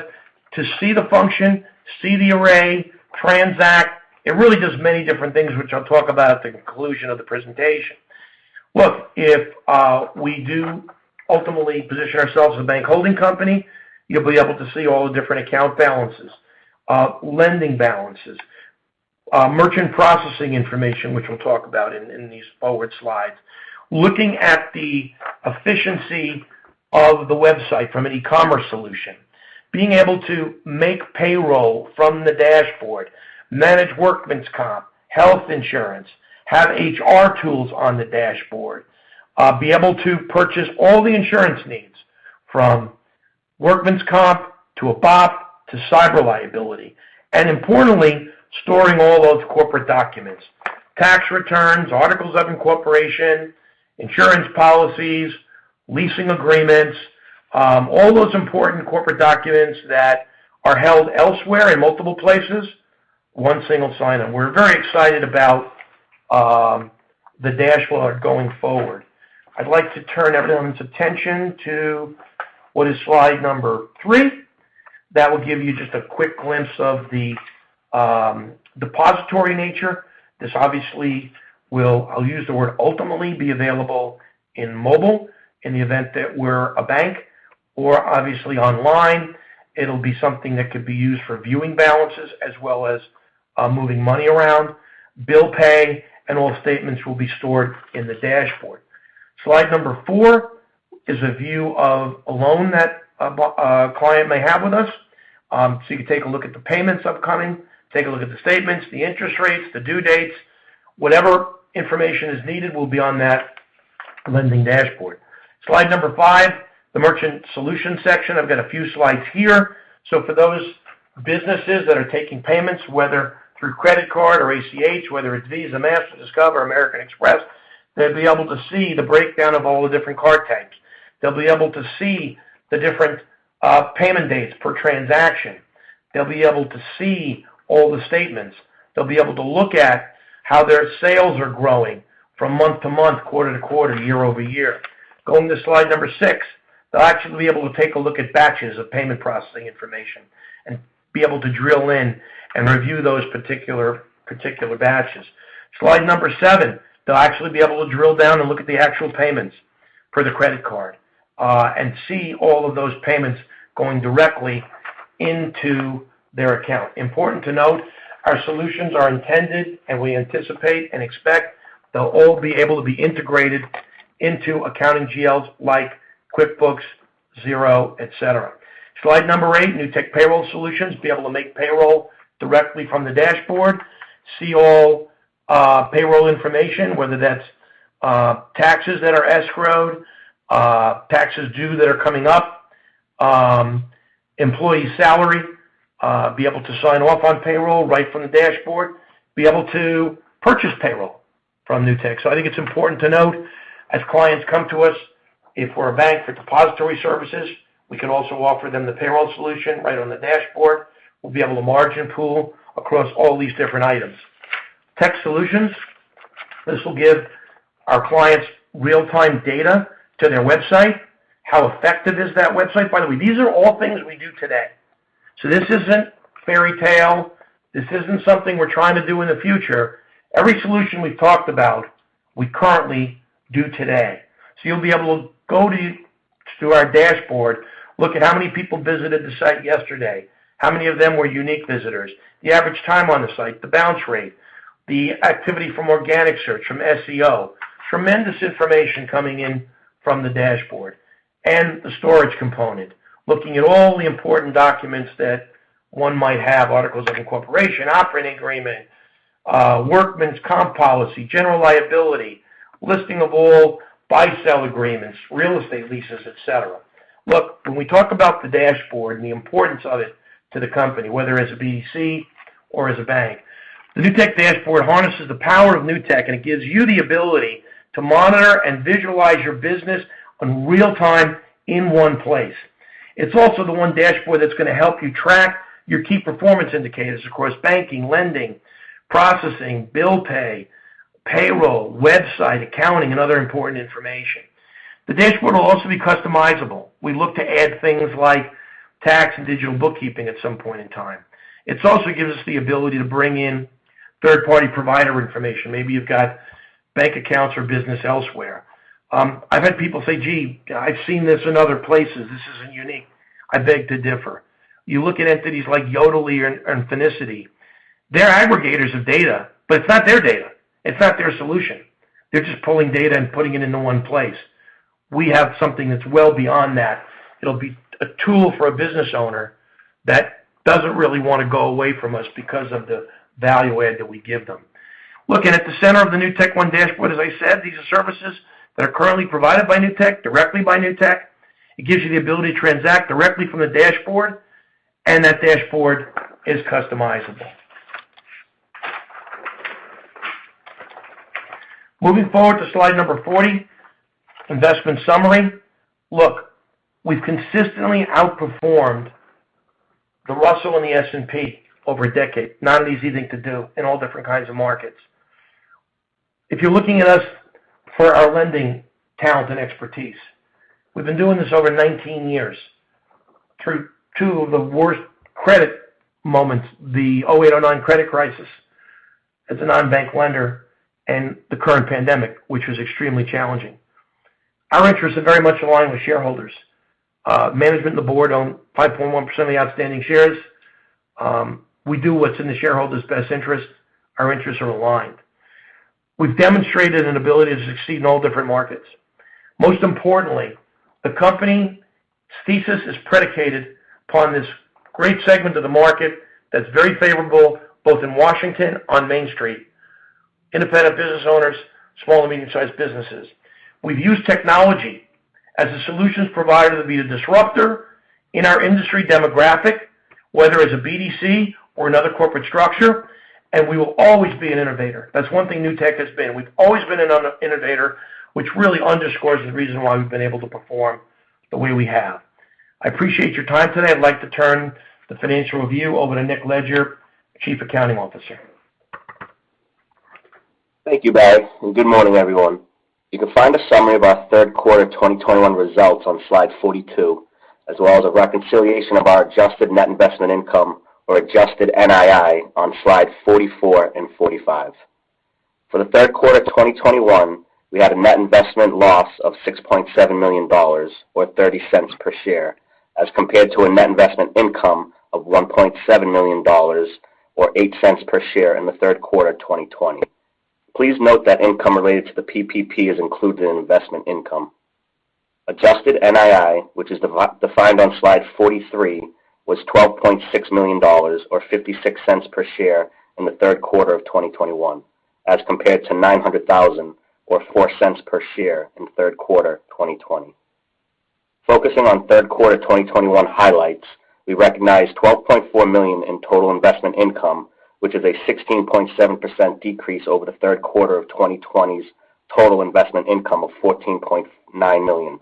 to see the function, see the array, transact. It really does many different things, which I'll talk about at the conclusion of the presentation. Look, if we do ultimately position ourselves as a bank holding company, you'll be able to see all the different account balances, lending balances, merchant processing information, which we'll talk about in these forward slides. Looking at the efficiency of the website from an e-commerce solution. Being able to make payroll from the dashboard, manage workman's comp, health insurance, have HR tools on the dashboard, be able to purchase all the insurance needs from workman's comp to a BOP to cyber liability. Importantly, storing all those corporate documents. Tax returns, articles of incorporation, insurance policies, leasing agreements, all those important corporate documents that are held elsewhere in multiple places. One single sign-on. We're very excited about the dashboard going forward. I'd like to turn everyone's attention to what is slide number three. That will give you just a quick glimpse of the depository nature. This obviously will, I'll use the word ultimately, be available in mobile in the event that we're a bank or obviously online. It'll be something that could be used for viewing balances as well as moving money around. Bill pay and all statements will be stored in this dashboard. Slide number four is a view of a loan that a client may have with us. You can take a look at the payments upcoming, take a look at the statements, the interest rates, the due dates. Whatever information is needed will be on that lending dashboard. Slide number five, the Merchant Solutions section. I've got a few slides here. For those businesses that are taking payments, whether through credit card or ACH, whether it's Visa, Mastercard, Discover, American Express, they'll be able to see the breakdown of all the different card types. They'll be able to see the different payment dates per transaction. They'll be able to see all the statements. They'll be able to look at how their sales are growing from month-to-month, quarter-to-quarter, year-over-year. Going to slide number six, they'll actually be able to take a look at batches of payment processing information and be able to drill in and review those particular batches. Slide number seven, they'll actually be able to drill down and look at the actual payments for the credit card, and see all of those payments going directly into their account. Important to note, our solutions are intended, and we anticipate and expect they'll all be able to be integrated into accounting GLs like QuickBooks, Xero, et cetera. Slide number eight, Newtek Payroll Solutions. Be able to make payroll directly from the dashboard. See all payroll information, whether that's taxes that are escrowed, taxes due that are coming up, employee salary, be able to sign off on payroll right from the dashboard, be able to purchase payroll from Newtek. I think it's important to note, as clients come to us, if we're a bank for depository services, we can also offer them the payroll solution right on the dashboard. We'll be able to margin pool across all these different items. Newtek Technology Solutions. This will give our clients real-time data to their website. How effective is that website? By the way, these are all things we do today. This isn't fairy tale. This isn't something we're trying to do in the future. Every solution we've talked about, we currently do today. You'll be able to go to, through our dashboard, look at how many people visited the site yesterday, how many of them were unique visitors, the average time on the site, the bounce rate, the activity from organic search, from SEO. Tremendous information coming in from the dashboard. The storage component. Looking at all the important documents that one might have, articles of incorporation, operating agreement, workman's comp policy, general liability, listing of all buy/sell agreements, real estate leases, et cetera. Look, when we talk about the dashboard and the importance of it to the company, whether as a BDC or as a bank, the NewtekOne Dashboard harnesses the power of Newtek, and it gives you the ability to monitor and visualize your business in real time in one place. It's also the one dashboard that's gonna help you track your key performance indicators. Of course, banking, lending, processing, bill pay, payroll, website, accounting, and other important information. The dashboard will also be customizable. We look to add things like tax and digital bookkeeping at some point in time. It also gives us the ability to bring in third-party provider information. Maybe you've got bank accounts or business elsewhere. I've had people say, "Gee, I've seen this in other places. This isn't unique." I beg to differ. You look at entities like Yodlee and Finicity. They're aggregators of data, but it's not their data. It's not their solution. They're just pulling data and putting it into one place. We have something that's well beyond that. It'll be a tool for a business owner that doesn't really wanna go away from us because of the value add that we give them. Looking at the center of the NewtekOne Dashboard, as I said, these are services that are currently provided by Newtek, directly by Newtek. It gives you the ability to transact directly from the dashboard, and that dashboard is customizable. Moving forward to slide number 40, investment summary. Look, we've consistently outperformed the Russell and the S&P over a decade. Not an easy thing to do in all different kinds of markets. If you're looking at us for our lending talent and expertise, we've been doing this over 19 years, through two of the worst credit moments, the 2008-2009 credit crisis as a non-bank lender and the current pandemic, which was extremely challenging. Our interests are very much aligned with shareholders. Management and the board own 5.1% of the outstanding shares. We do what's in the shareholders' best interest. Our interests are aligned. We've demonstrated an ability to succeed in all different markets. Most importantly, the company's thesis is predicated upon this great segment of the market that's very favorable, both in Washington on Main Street, independent business owners, small and medium-sized businesses. We've used technology as a solutions provider to be a disruptor in our industry demographic, whether as a BDC or another corporate structure, and we will always be an innovator. That's one thing Newtek has been. We've always been an innovator, which really underscores the reason why we've been able to perform the way we have. I appreciate your time today. I'd like to turn the financial review over to Nick Leger, Chief Accounting Officer. Thank you, Barry, and good morning, everyone. You can find a summary of our third quarter 2021 results on slide 42, as well as a reconciliation of our adjusted net investment income or adjusted NII on slide 44 and 45. For the third quarter of 2021, we had a net investment loss of $6.7 million or $0.30 per share, as compared to a net investment income of $1.7 million or $0.08 per share in the third quarter of 2020. Please note that income related to the PPP is included in investment income. Adjusted NII, which is defined on slide 43, was $12.6 million or $0.56 per share in the third quarter of 2021, as compared to $900,000 or $0.04 per share in third quarter of 2020. Focusing on third quarter 2021 highlights, we recognized $12.4 million in total investment income, which is a 16.7% decrease over the third quarter of 2020's total investment income of $14.9 million.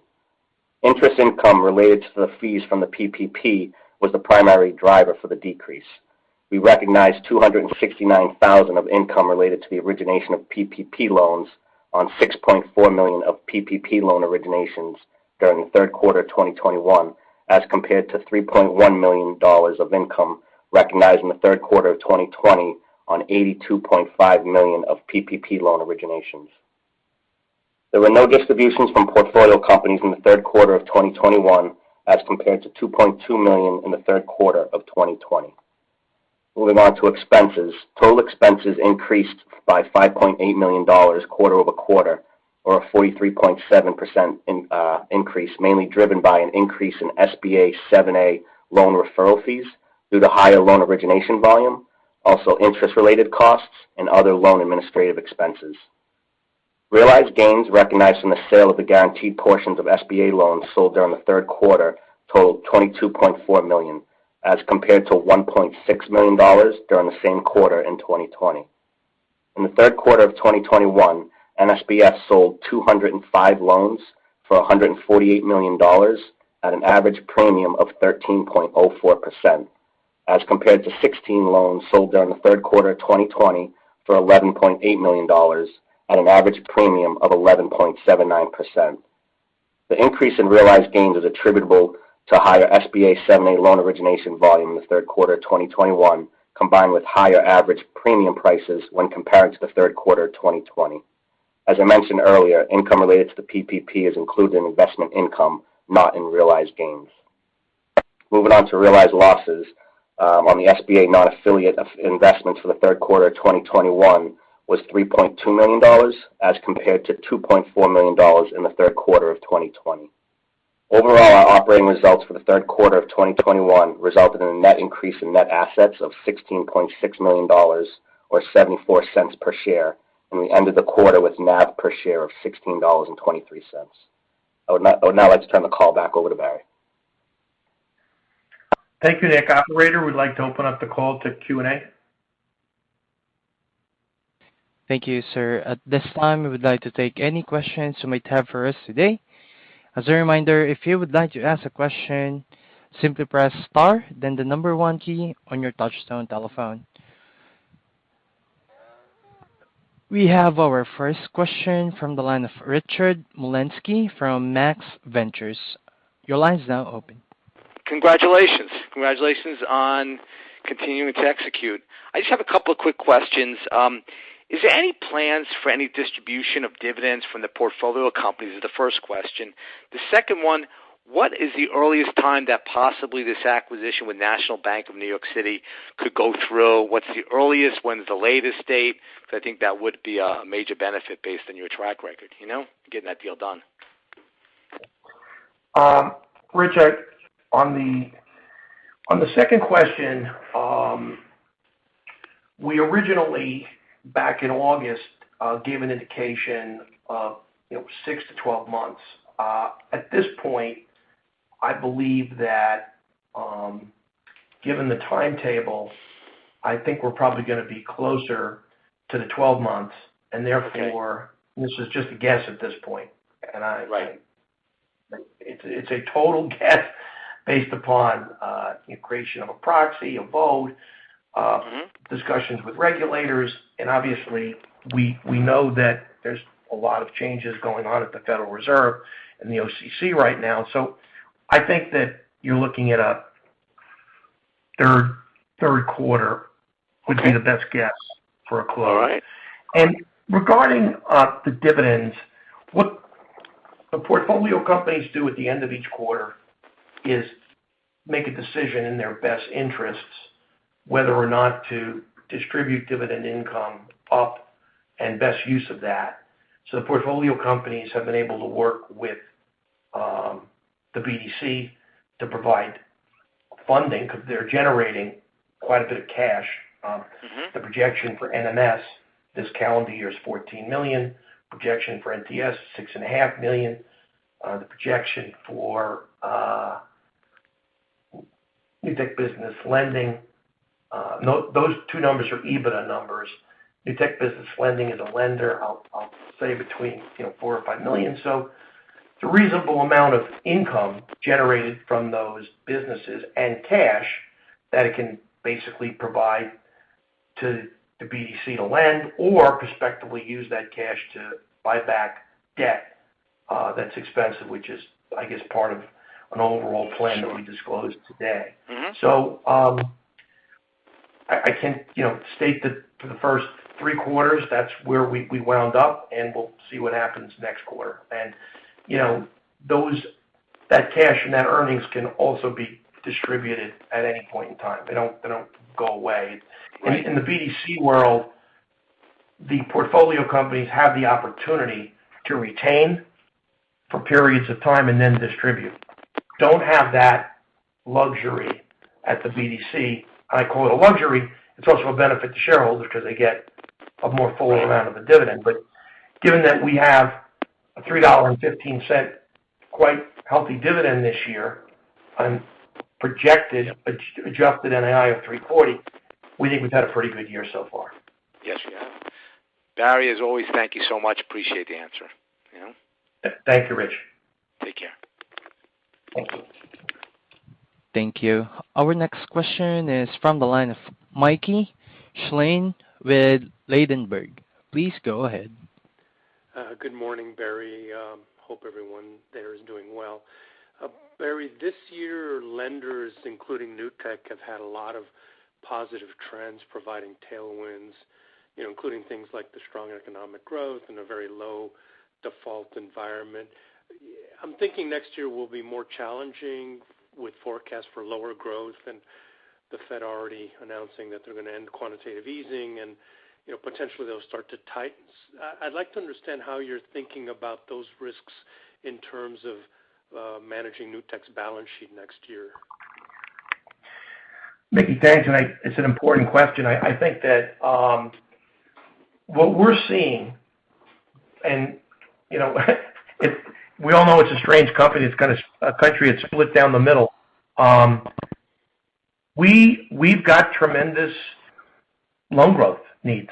Interest income related to the fees from the PPP was the primary driver for the decrease. We recognized $269,000 of income related to the origination of PPP loans on $6.4 million of PPP loan originations during the third quarter of 2021, as compared to $3.1 million of income recognized in the third quarter of 2020 on $82.5 million of PPP loan originations. There were no distributions from portfolio companies in the third quarter of 2021, as compared to $2.2 million in the third quarter of 2020. Moving on to expenses. Total expenses increased by $5.8 million quarter-over-quarter, or a 43.7% increase, mainly driven by an increase in SBA 7(a) loan referral fees due to higher loan origination volume, also interest-related costs and other loan administrative expenses. Realized gains recognized from the sale of the guaranteed portions of SBA loans sold during the third quarter totaled $22.4 million, as compared to $1.6 million during the same quarter in 2020. In the third quarter of 2021, NSBF sold 205 loans for $148 million at an average premium of 13.04%, as compared to 16 loans sold during the third quarter of 2020 for $11.8 million at an average premium of 11.79%. The increase in realized gains is attributable to higher SBA 7(a) loan origination volume in the third quarter of 2021, combined with higher average premium prices when comparing to the third quarter of 2020. As I mentioned earlier, income related to the PPP is included in investment income, not in realized gains. Moving on to realized losses on the SBA non-affiliate investments for the third quarter of 2021 was $3.2 million, as compared to $2.4 million in the third quarter of 2020. Overall, our operating results for the third quarter of 2021 resulted in a net increase in net assets of $16.6 million or $0.74 per share, and we ended the quarter with NAV per share of $16.23. I would now like to turn the call back over to Barry. Thank you, Nick. Operator, we'd like to open up the call to Q&A. Thank you, sir. At this time, we would like to take any questions you might have for us today. As a reminder, if you would like to ask a question, simply press star then the number one key on your touchtone telephone. We have our first question from the line of Richard Molinsky from Max Ventures. Your line is now open. Congratulations on continuing to execute. I just have a couple of quick questions. Is there any plans for any distribution of dividends from the portfolio companies? Is the first question. The second one, what is the earliest time that possibly this acquisition with National Bank of New York City could go through? What's the earliest, when's the latest date? Because I think that would be a major benefit based on your track record, you know, getting that deal done. Richard, on the second question, we originally, back in August, gave an indication of, you know, six to 12 months. At this point, I believe that, given the timetable, I think we're probably gonna be closer to the 12 months. Okay. Therefore, this is just a guess at this point. Right. It's a total guess based upon the creation of a proxy, a vote. Discussions with regulators, and obviously we know that there's a lot of changes going on at the Federal Reserve and the OCC right now. I think that you're looking at a third quarter would be the best guess for a close. All right. Regarding the dividends, what the portfolio companies do at the end of each quarter is make a decision in their best interests whether or not to distribute dividend income up and best use of that. The portfolio companies have been able to work with the BDC to provide funding because they're generating quite a bit of cash. The projection for NMS this calendar year is $14 million. Projection for NTS, $6.5 million. The projection for Newtek Business Lending. Those two numbers are EBITDA numbers. Newtek Business Lending is a lender. I'll say between, you know, $4 million or $5 million. It's a reasonable amount of income generated from those businesses and cash that it can basically provide to the BDC to lend or prospectively use that cash to buy back debt that's expensive, which is, I guess, part of an overall plan that we disclosed today. I can, you know, state that for the first three quarters, that's where we wound up, and we'll see what happens next quarter. You know, that cash and that earnings can also be distributed at any point in time. They don't go away. Right. In the BDC world, the portfolio companies have the opportunity to retain for periods of time and then distribute. Don't have that luxury at the BDC. I call it a luxury. It's also a benefit to shareholders because they get a more full amount of a dividend. Given that we have a $3.15 quite healthy dividend this year on projected adjusted NII of $3.40, we think we've had a pretty good year so far. Yes, you have. Barry, as always, thank you so much. Appreciate the answer. Yeah. Thank you, Rich. Take care. Thank you. Thank you. Our next question is from the line of Mickey Schleien with Ladenburg. Please go ahead. Good morning, Barry. I hope everyone there is doing well. Barry, this year, lenders, including Newtek, have had a lot of positive trends providing tailwinds, you know, including things like the strong economic growth and a very low default environment. I'm thinking next year will be more challenging with forecasts for lower growth and the Fed already announcing that they're gonna end quantitative easing and, you know, potentially they'll start to tighten. I'd like to understand how you're thinking about those risks in terms of managing Newtek's balance sheet next year. Mickey, thanks. It's an important question. I think that what we're seeing and you know if we all know it's a strange economy, it's kinda a country that's split down the middle. We've got tremendous loan growth needs.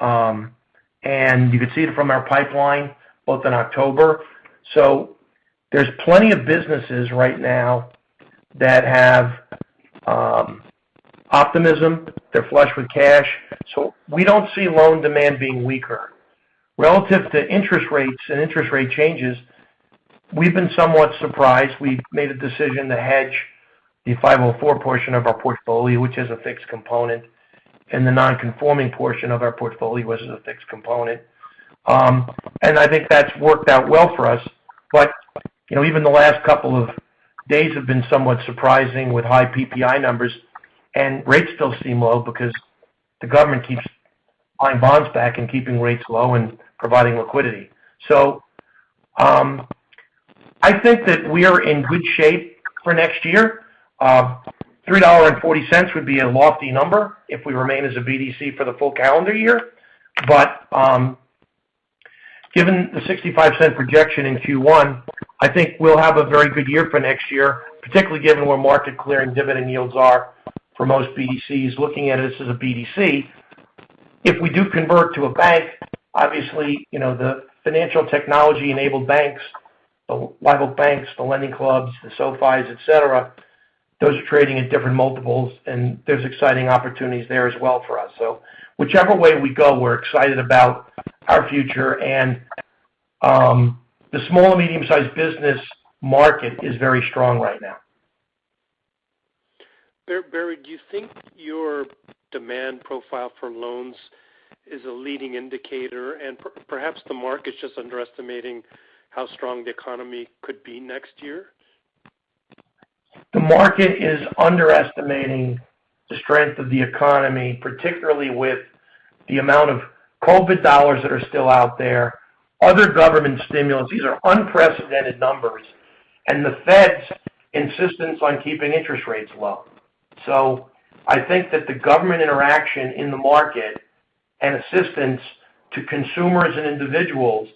You can see it from our pipeline both in October. There's plenty of businesses right now that have optimism. They're flush with cash. We don't see loan demand being weaker. Relative to interest rates and interest rate changes, we've been somewhat surprised. We made a decision to hedge the 504 portion of our portfolio, which is a fixed component, and the non-conforming portion of our portfolio, which is a fixed component. I think that's worked out well for us. You know, even the last couple of days have been somewhat surprising with high PPI numbers and rates still seem low because the government keeps buying bonds back and keeping rates low and providing liquidity. I think that we are in good shape for next year. $3.40 would be a lofty number if we remain as a BDC for the full calendar year. Given the $0.65 projection in Q1, I think we'll have a very good year for next year, particularly given where market clearing dividend yields are for most BDCs looking at it as a BDC. If we do convert to a bank, obviously, you know, the financial technology-enabled banks, the neobanks, the LendingClubs, the SoFis, et cetera, those are trading at different multiples, and there's exciting opportunities there as well for us. Whichever way we go, we're excited about our future. The small and medium-sized business market is very strong right now. Barry, do you think your demand profile for loans is a leading indicator and perhaps the market's just underestimating how strong the economy could be next year? The market is underestimating the strength of the economy, particularly with the amount of COVID dollars that are still out there, other government stimulus, these are unprecedented numbers, and the Fed's insistence on keeping interest rates low. I think that the government interaction in the market and assistance to consumers and individuals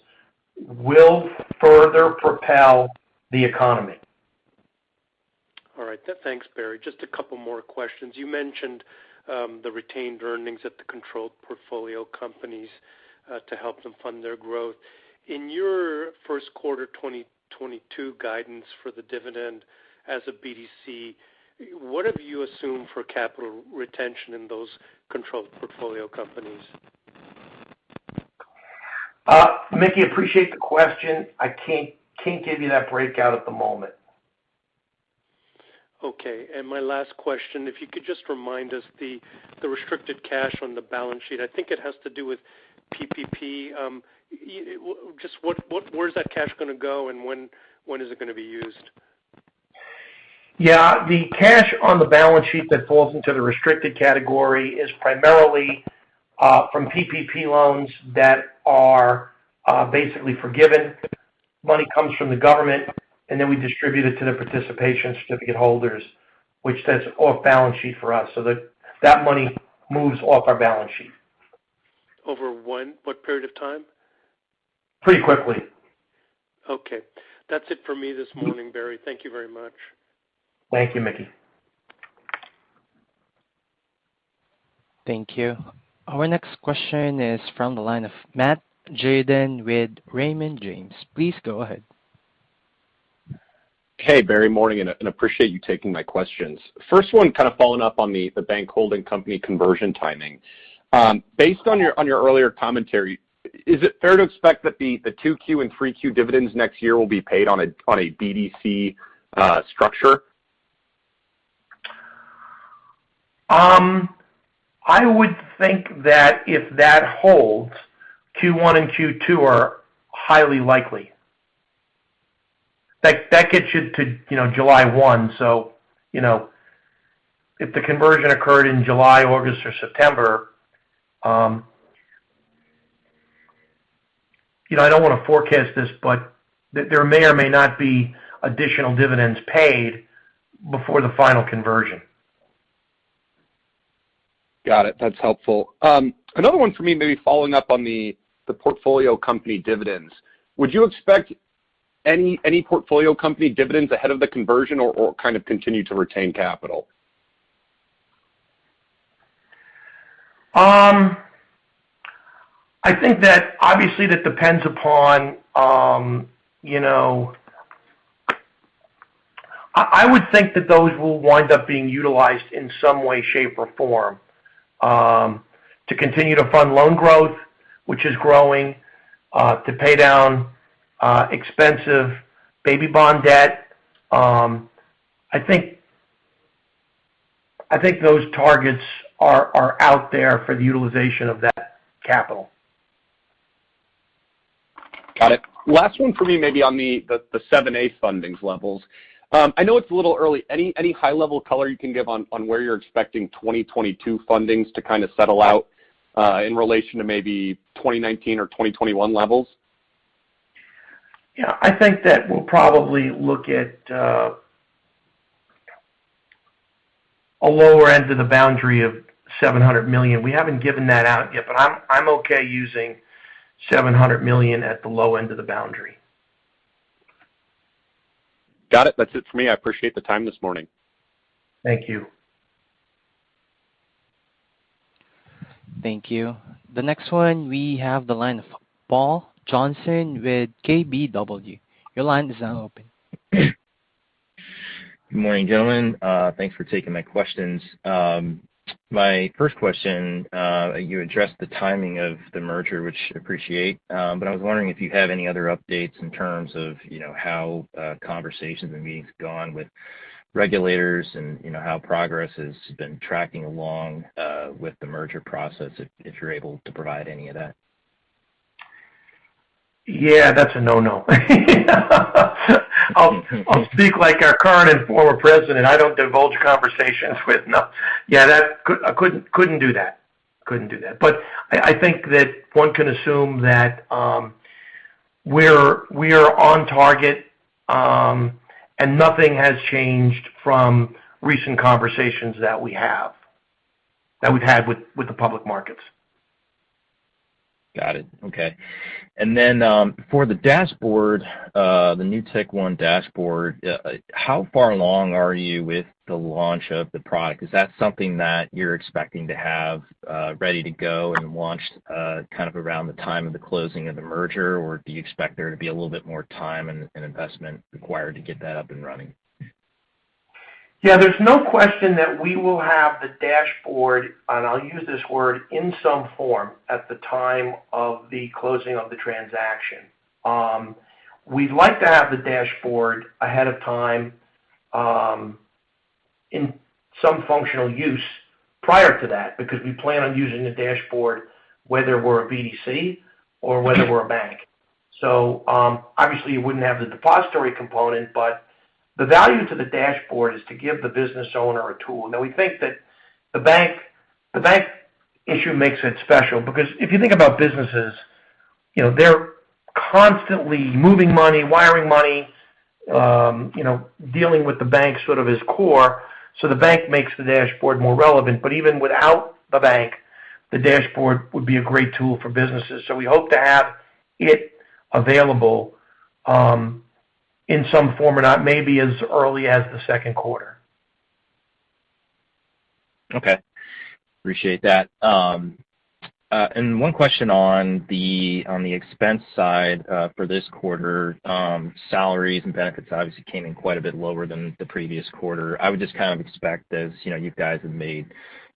will further propel the economy. All right. Thanks, Barry. Just a couple more questions. You mentioned the retained earnings at the controlled portfolio companies to help them fund their growth. In your first quarter 2022 guidance for the dividend as a BDC, what have you assumed for capital retention in those controlled portfolio companies? Mickey, I appreciate the question. I can't give you that breakout at the moment. Okay. My last question, if you could just remind us the restricted cash on the balance sheet, I think it has to do with PPP. Where is that cash gonna go, and when is it gonna be used? Yeah. The cash on the balance sheet that falls into the restricted category is primarily from PPP loans that are basically forgiven. Money comes from the government, and then we distribute it to the participation certificate holders, which that's off balance sheet for us. That money moves off our balance sheet. Over when? What period of time? Pretty quickly. Okay. That's it for me this morning, Barry. Thank you very much. Thank you, Mickey. Thank you. Our next question is from the line of Matt Tjaden with Raymond James. Please go ahead. Hey, Barry. Morning, and I appreciate you taking my questions. First one kind of following up on the bank holding company conversion timing. Based on your earlier commentary, is it fair to expect that the 2Q and 3Q dividends next year will be paid on a BDC structure? I would think that if that holds, Q1 and Q2 are highly likely. Like that gets you to, you know, July 1. You know, if the conversion occurred in July, August or September, you know, I don't wanna forecast this, but there may or may not be additional dividends paid before the final conversion. Got it. That's helpful. Another one for me maybe following up on the portfolio company dividends. Would you expect any portfolio company dividends ahead of the conversion or kind of continue to retain capital? I think that obviously that depends upon you know. I would think that those will wind up being utilized in some way, shape, or form to continue to fund loan growth, which is growing, to pay down expensive baby bond debt. I think those targets are out there for the utilization of that capital. Got it. Last one for me maybe on the 7(a) funding levels. I know it's a little early. Any high level color you can give on where you're expecting 2022 fundings to kind of settle out in relation to maybe 2019 or 2021 levels? Yeah. I think that we'll probably look at a lower end of the boundary of $700 million. We haven't given that out yet, but I'm okay using $700 million at the low end of the boundary. Got it. That's it for me. I appreciate the time this morning. Thank you. Thank you. The next one, we have the line of Paul Johnson with KBW. Your line is now open. Good morning, gentlemen. Thanks for taking my questions. My first question, you addressed the timing of the merger, which I appreciate. I was wondering if you have any other updates in terms of, you know, how conversations and meetings have gone with regulators and, you know, how progress has been tracking along with the merger process, if you're able to provide any of that. Yeah, that's a no-no. I'll speak like our current and former president. I don't divulge conversations with that subject. I couldn't do that. I think that one can assume that we are on target and nothing has changed from recent conversations that we've had with the public markets. Got it. Okay. For the dashboard, the NewtekOne Dashboard, how far along are you with the launch of the product? Is that something that you're expecting to have ready to go and launched kind of around the time of the closing of the merger? Or do you expect there to be a little bit more time and investment required to get that up and running? Yeah. There's no question that we will have the dashboard, and I'll use this word, in some form at the time of the closing of the transaction. We'd like to have the dashboard ahead of time, in some functional use prior to that because we plan on using the dashboard whether we're a BDC or whether we're a bank. Obviously you wouldn't have the depository component, but the value to the dashboard is to give the business owner a tool. Now, we think that the bank, the bank issue makes it special because if you think about businesses, you know, they're constantly moving money, wiring money, you know, dealing with the bank sort of is core. The bank makes the dashboard more relevant. Even without the bank, the dashboard would be a great tool for businesses. We hope to have it available, in some form or not, maybe as early as the second quarter. Okay. Appreciate that. One question on the expense side for this quarter. Salaries and benefits obviously came in quite a bit lower than the previous quarter. I would just kind of expect as you know you guys have made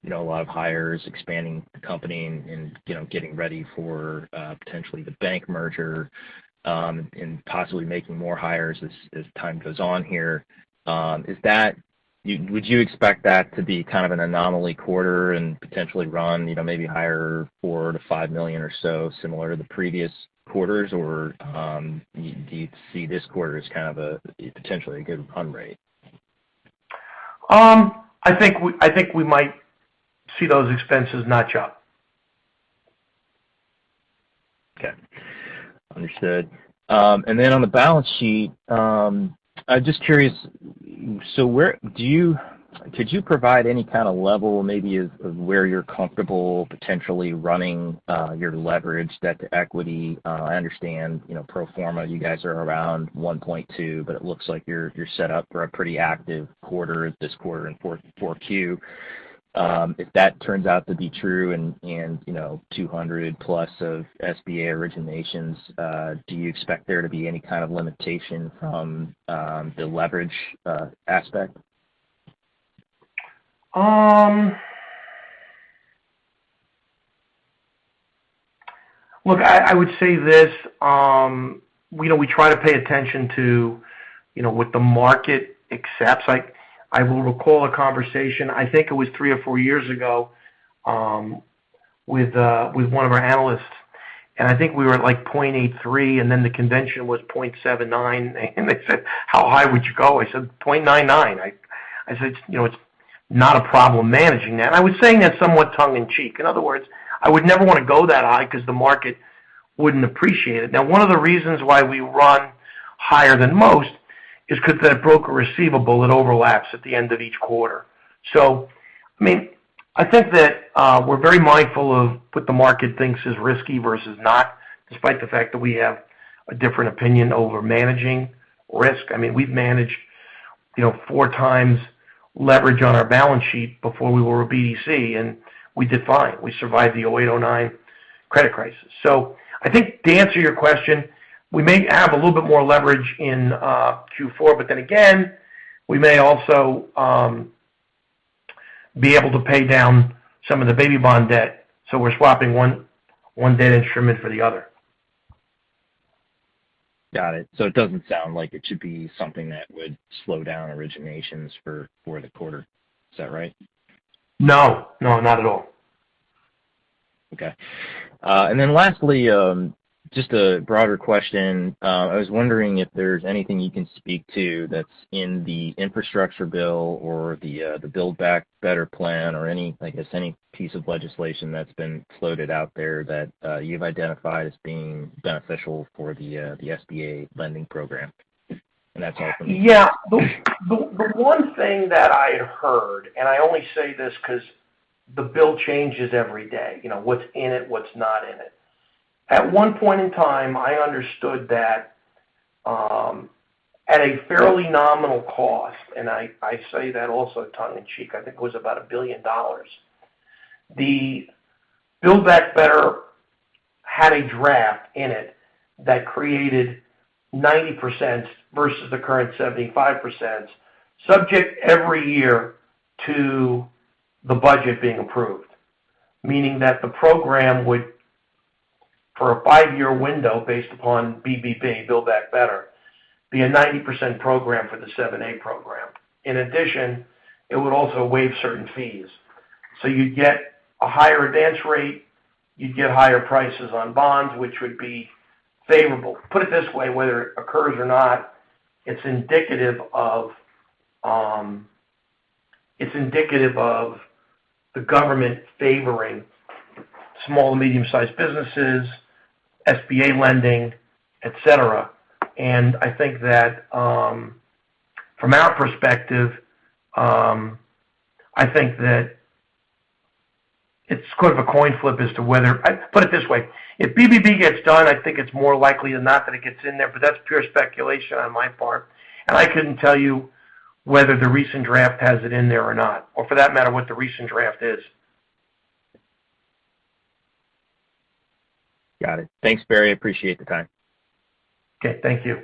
you know a lot of hires expanding the company and you know getting ready for potentially the bank merger and possibly making more hires as time goes on here. Would you expect that to be kind of an anomaly quarter and potentially run you know maybe higher $4 million-$5 million or so similar to the previous quarters? Do you see this quarter as kind of a potentially good run rate? I think we might see those expenses not drop. Okay. Understood. On the balance sheet, I'm just curious. So where could you provide any kind of level maybe of where you're comfortable potentially running your leverage debt to equity? I understand, you know, pro forma, you guys are around 1.2x, but it looks like you're set up for a pretty active quarter, this quarter in 4Q. If that turns out to be true and, you know, 200+ of SBA originations, do you expect there to be any kind of limitation from the leverage aspect? Look, I would say this, you know, we try to pay attention to, you know, what the market accepts. I will recall a conversation, I think it was three or four years ago, with one of our analysts, and I think we were at, like, 0.83x, and then the convention was 0.79x. They said, "How high would you go?" I said, "0.99x." I said, "You know, it's not a problem managing that." I was saying that somewhat tongue in cheek. In other words, I would never wanna go that high 'cause the market wouldn't appreciate it. Now, one of the reasons why we run higher than most is 'cause that broker receivable, it overlaps at the end of each quarter. I mean, I think that we're very mindful of what the market thinks is risky versus not, despite the fact that we have a different opinion over managing risk. I mean, we've managed, you know, 4x leverage on our balance sheet before we were a BDC, and we did fine. We survived the 2008, 2009 credit crisis. I think to answer your question, we may have a little bit more leverage in Q4. Then again, we may also be able to pay down some of the baby bond debt, so we're swapping one debt instrument for the other. Got it. It doesn't sound like it should be something that would slow down originations for the quarter. Is that right? No. No, not at all. Okay. Lastly, just a broader question. I was wondering if there's anything you can speak to that's in the infrastructure bill or the Build Back Better plan or any, I guess, any piece of legislation that's been floated out there that you've identified as being beneficial for the SBA lending program. That's all for me. Yeah. The one thing that I heard, and I only say this 'cause the bill changes every day, you know, what's in it, what's not in it. At one point in time, I understood that at a fairly nominal cost, and I say that also tongue in cheek, I think it was about $1 billion. The Build Back Better plan had a draft in it that created 90% versus the current 75%, subject every year to the budget being approved. Meaning that the program would, for a five-year window, based upon BBB, Build Back Better, be a 90% program for the 7(a) program. In addition, it would also waive certain fees. So you'd get a higher advance rate, you'd get higher prices on bonds, which would be favorable. Put it this way, whether it occurs or not, it's indicative of the government favoring small and medium-sized businesses, SBA lending, et cetera. I think that from our perspective I think that it's sort of a coin flip as to whether I'd put it this way, if BBB gets done, I think it's more likely than not that it gets in there, but that's pure speculation on my part. I couldn't tell you whether the recent draft has it in there or not, or for that matter, what the recent draft is. Got it. Thanks, Barry. I appreciate the time. Okay. Thank you.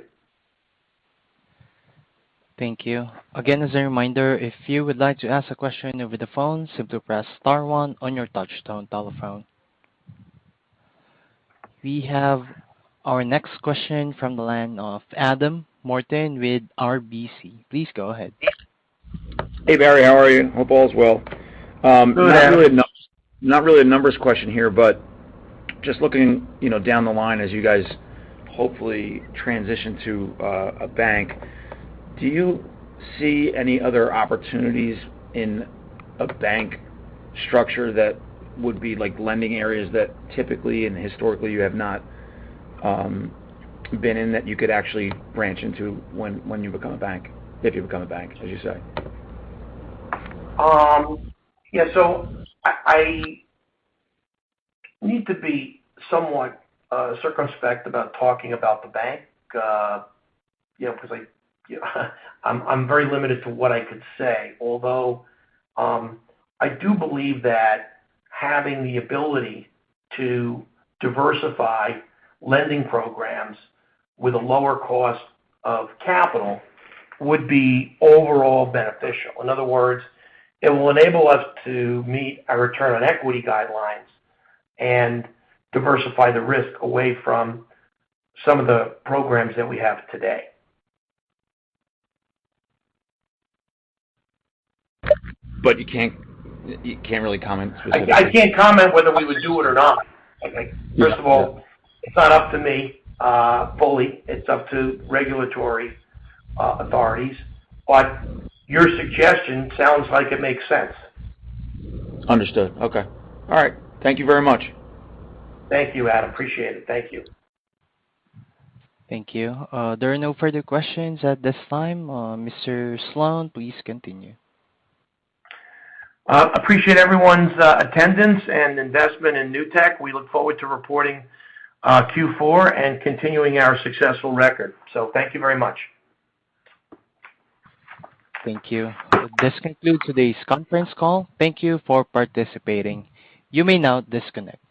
Thank you. Again, as a reminder, if you would like to ask a question over the phone, simply press star one on your touch-tone telephone. We have our next question from the line of Adam Morton with RBC. Please go ahead. Hey, Barry. How are you? Hope all is well. Hi, Adam. Not really a numbers question here, but just looking, you know, down the line as you guys hopefully transition to a bank, do you see any other opportunities in a bank structure that would be like lending areas that typically and historically you have not been in that you could actually branch into when you become a bank, if you become a bank, as you say? Yeah. I need to be somewhat circumspect about talking about the bank, you know, 'cause I, you know, I'm very limited to what I could say. Although, I do believe that having the ability to diversify lending programs with a lower cost of capital would be overall beneficial. In other words, it will enable us to meet our return on equity guidelines and diversify the risk away from some of the programs that we have today. You can't really comment specifically? I can't comment whether we would do it or not. Yeah. First of all, it's not up to me, fully. It's up to regulatory authorities. Your suggestion sounds like it makes sense. Understood. Okay. All right. Thank you very much. Thank you, Adam. Appreciate it. Thank you. Thank you. There are no further questions at this time. Mr. Sloane, please continue. Appreciate everyone's attendance and investment in Newtek. We look forward to reporting Q4 and continuing our successful record. Thank you very much. Thank you. This concludes today's conference call. Thank you for participating. You may now disconnect.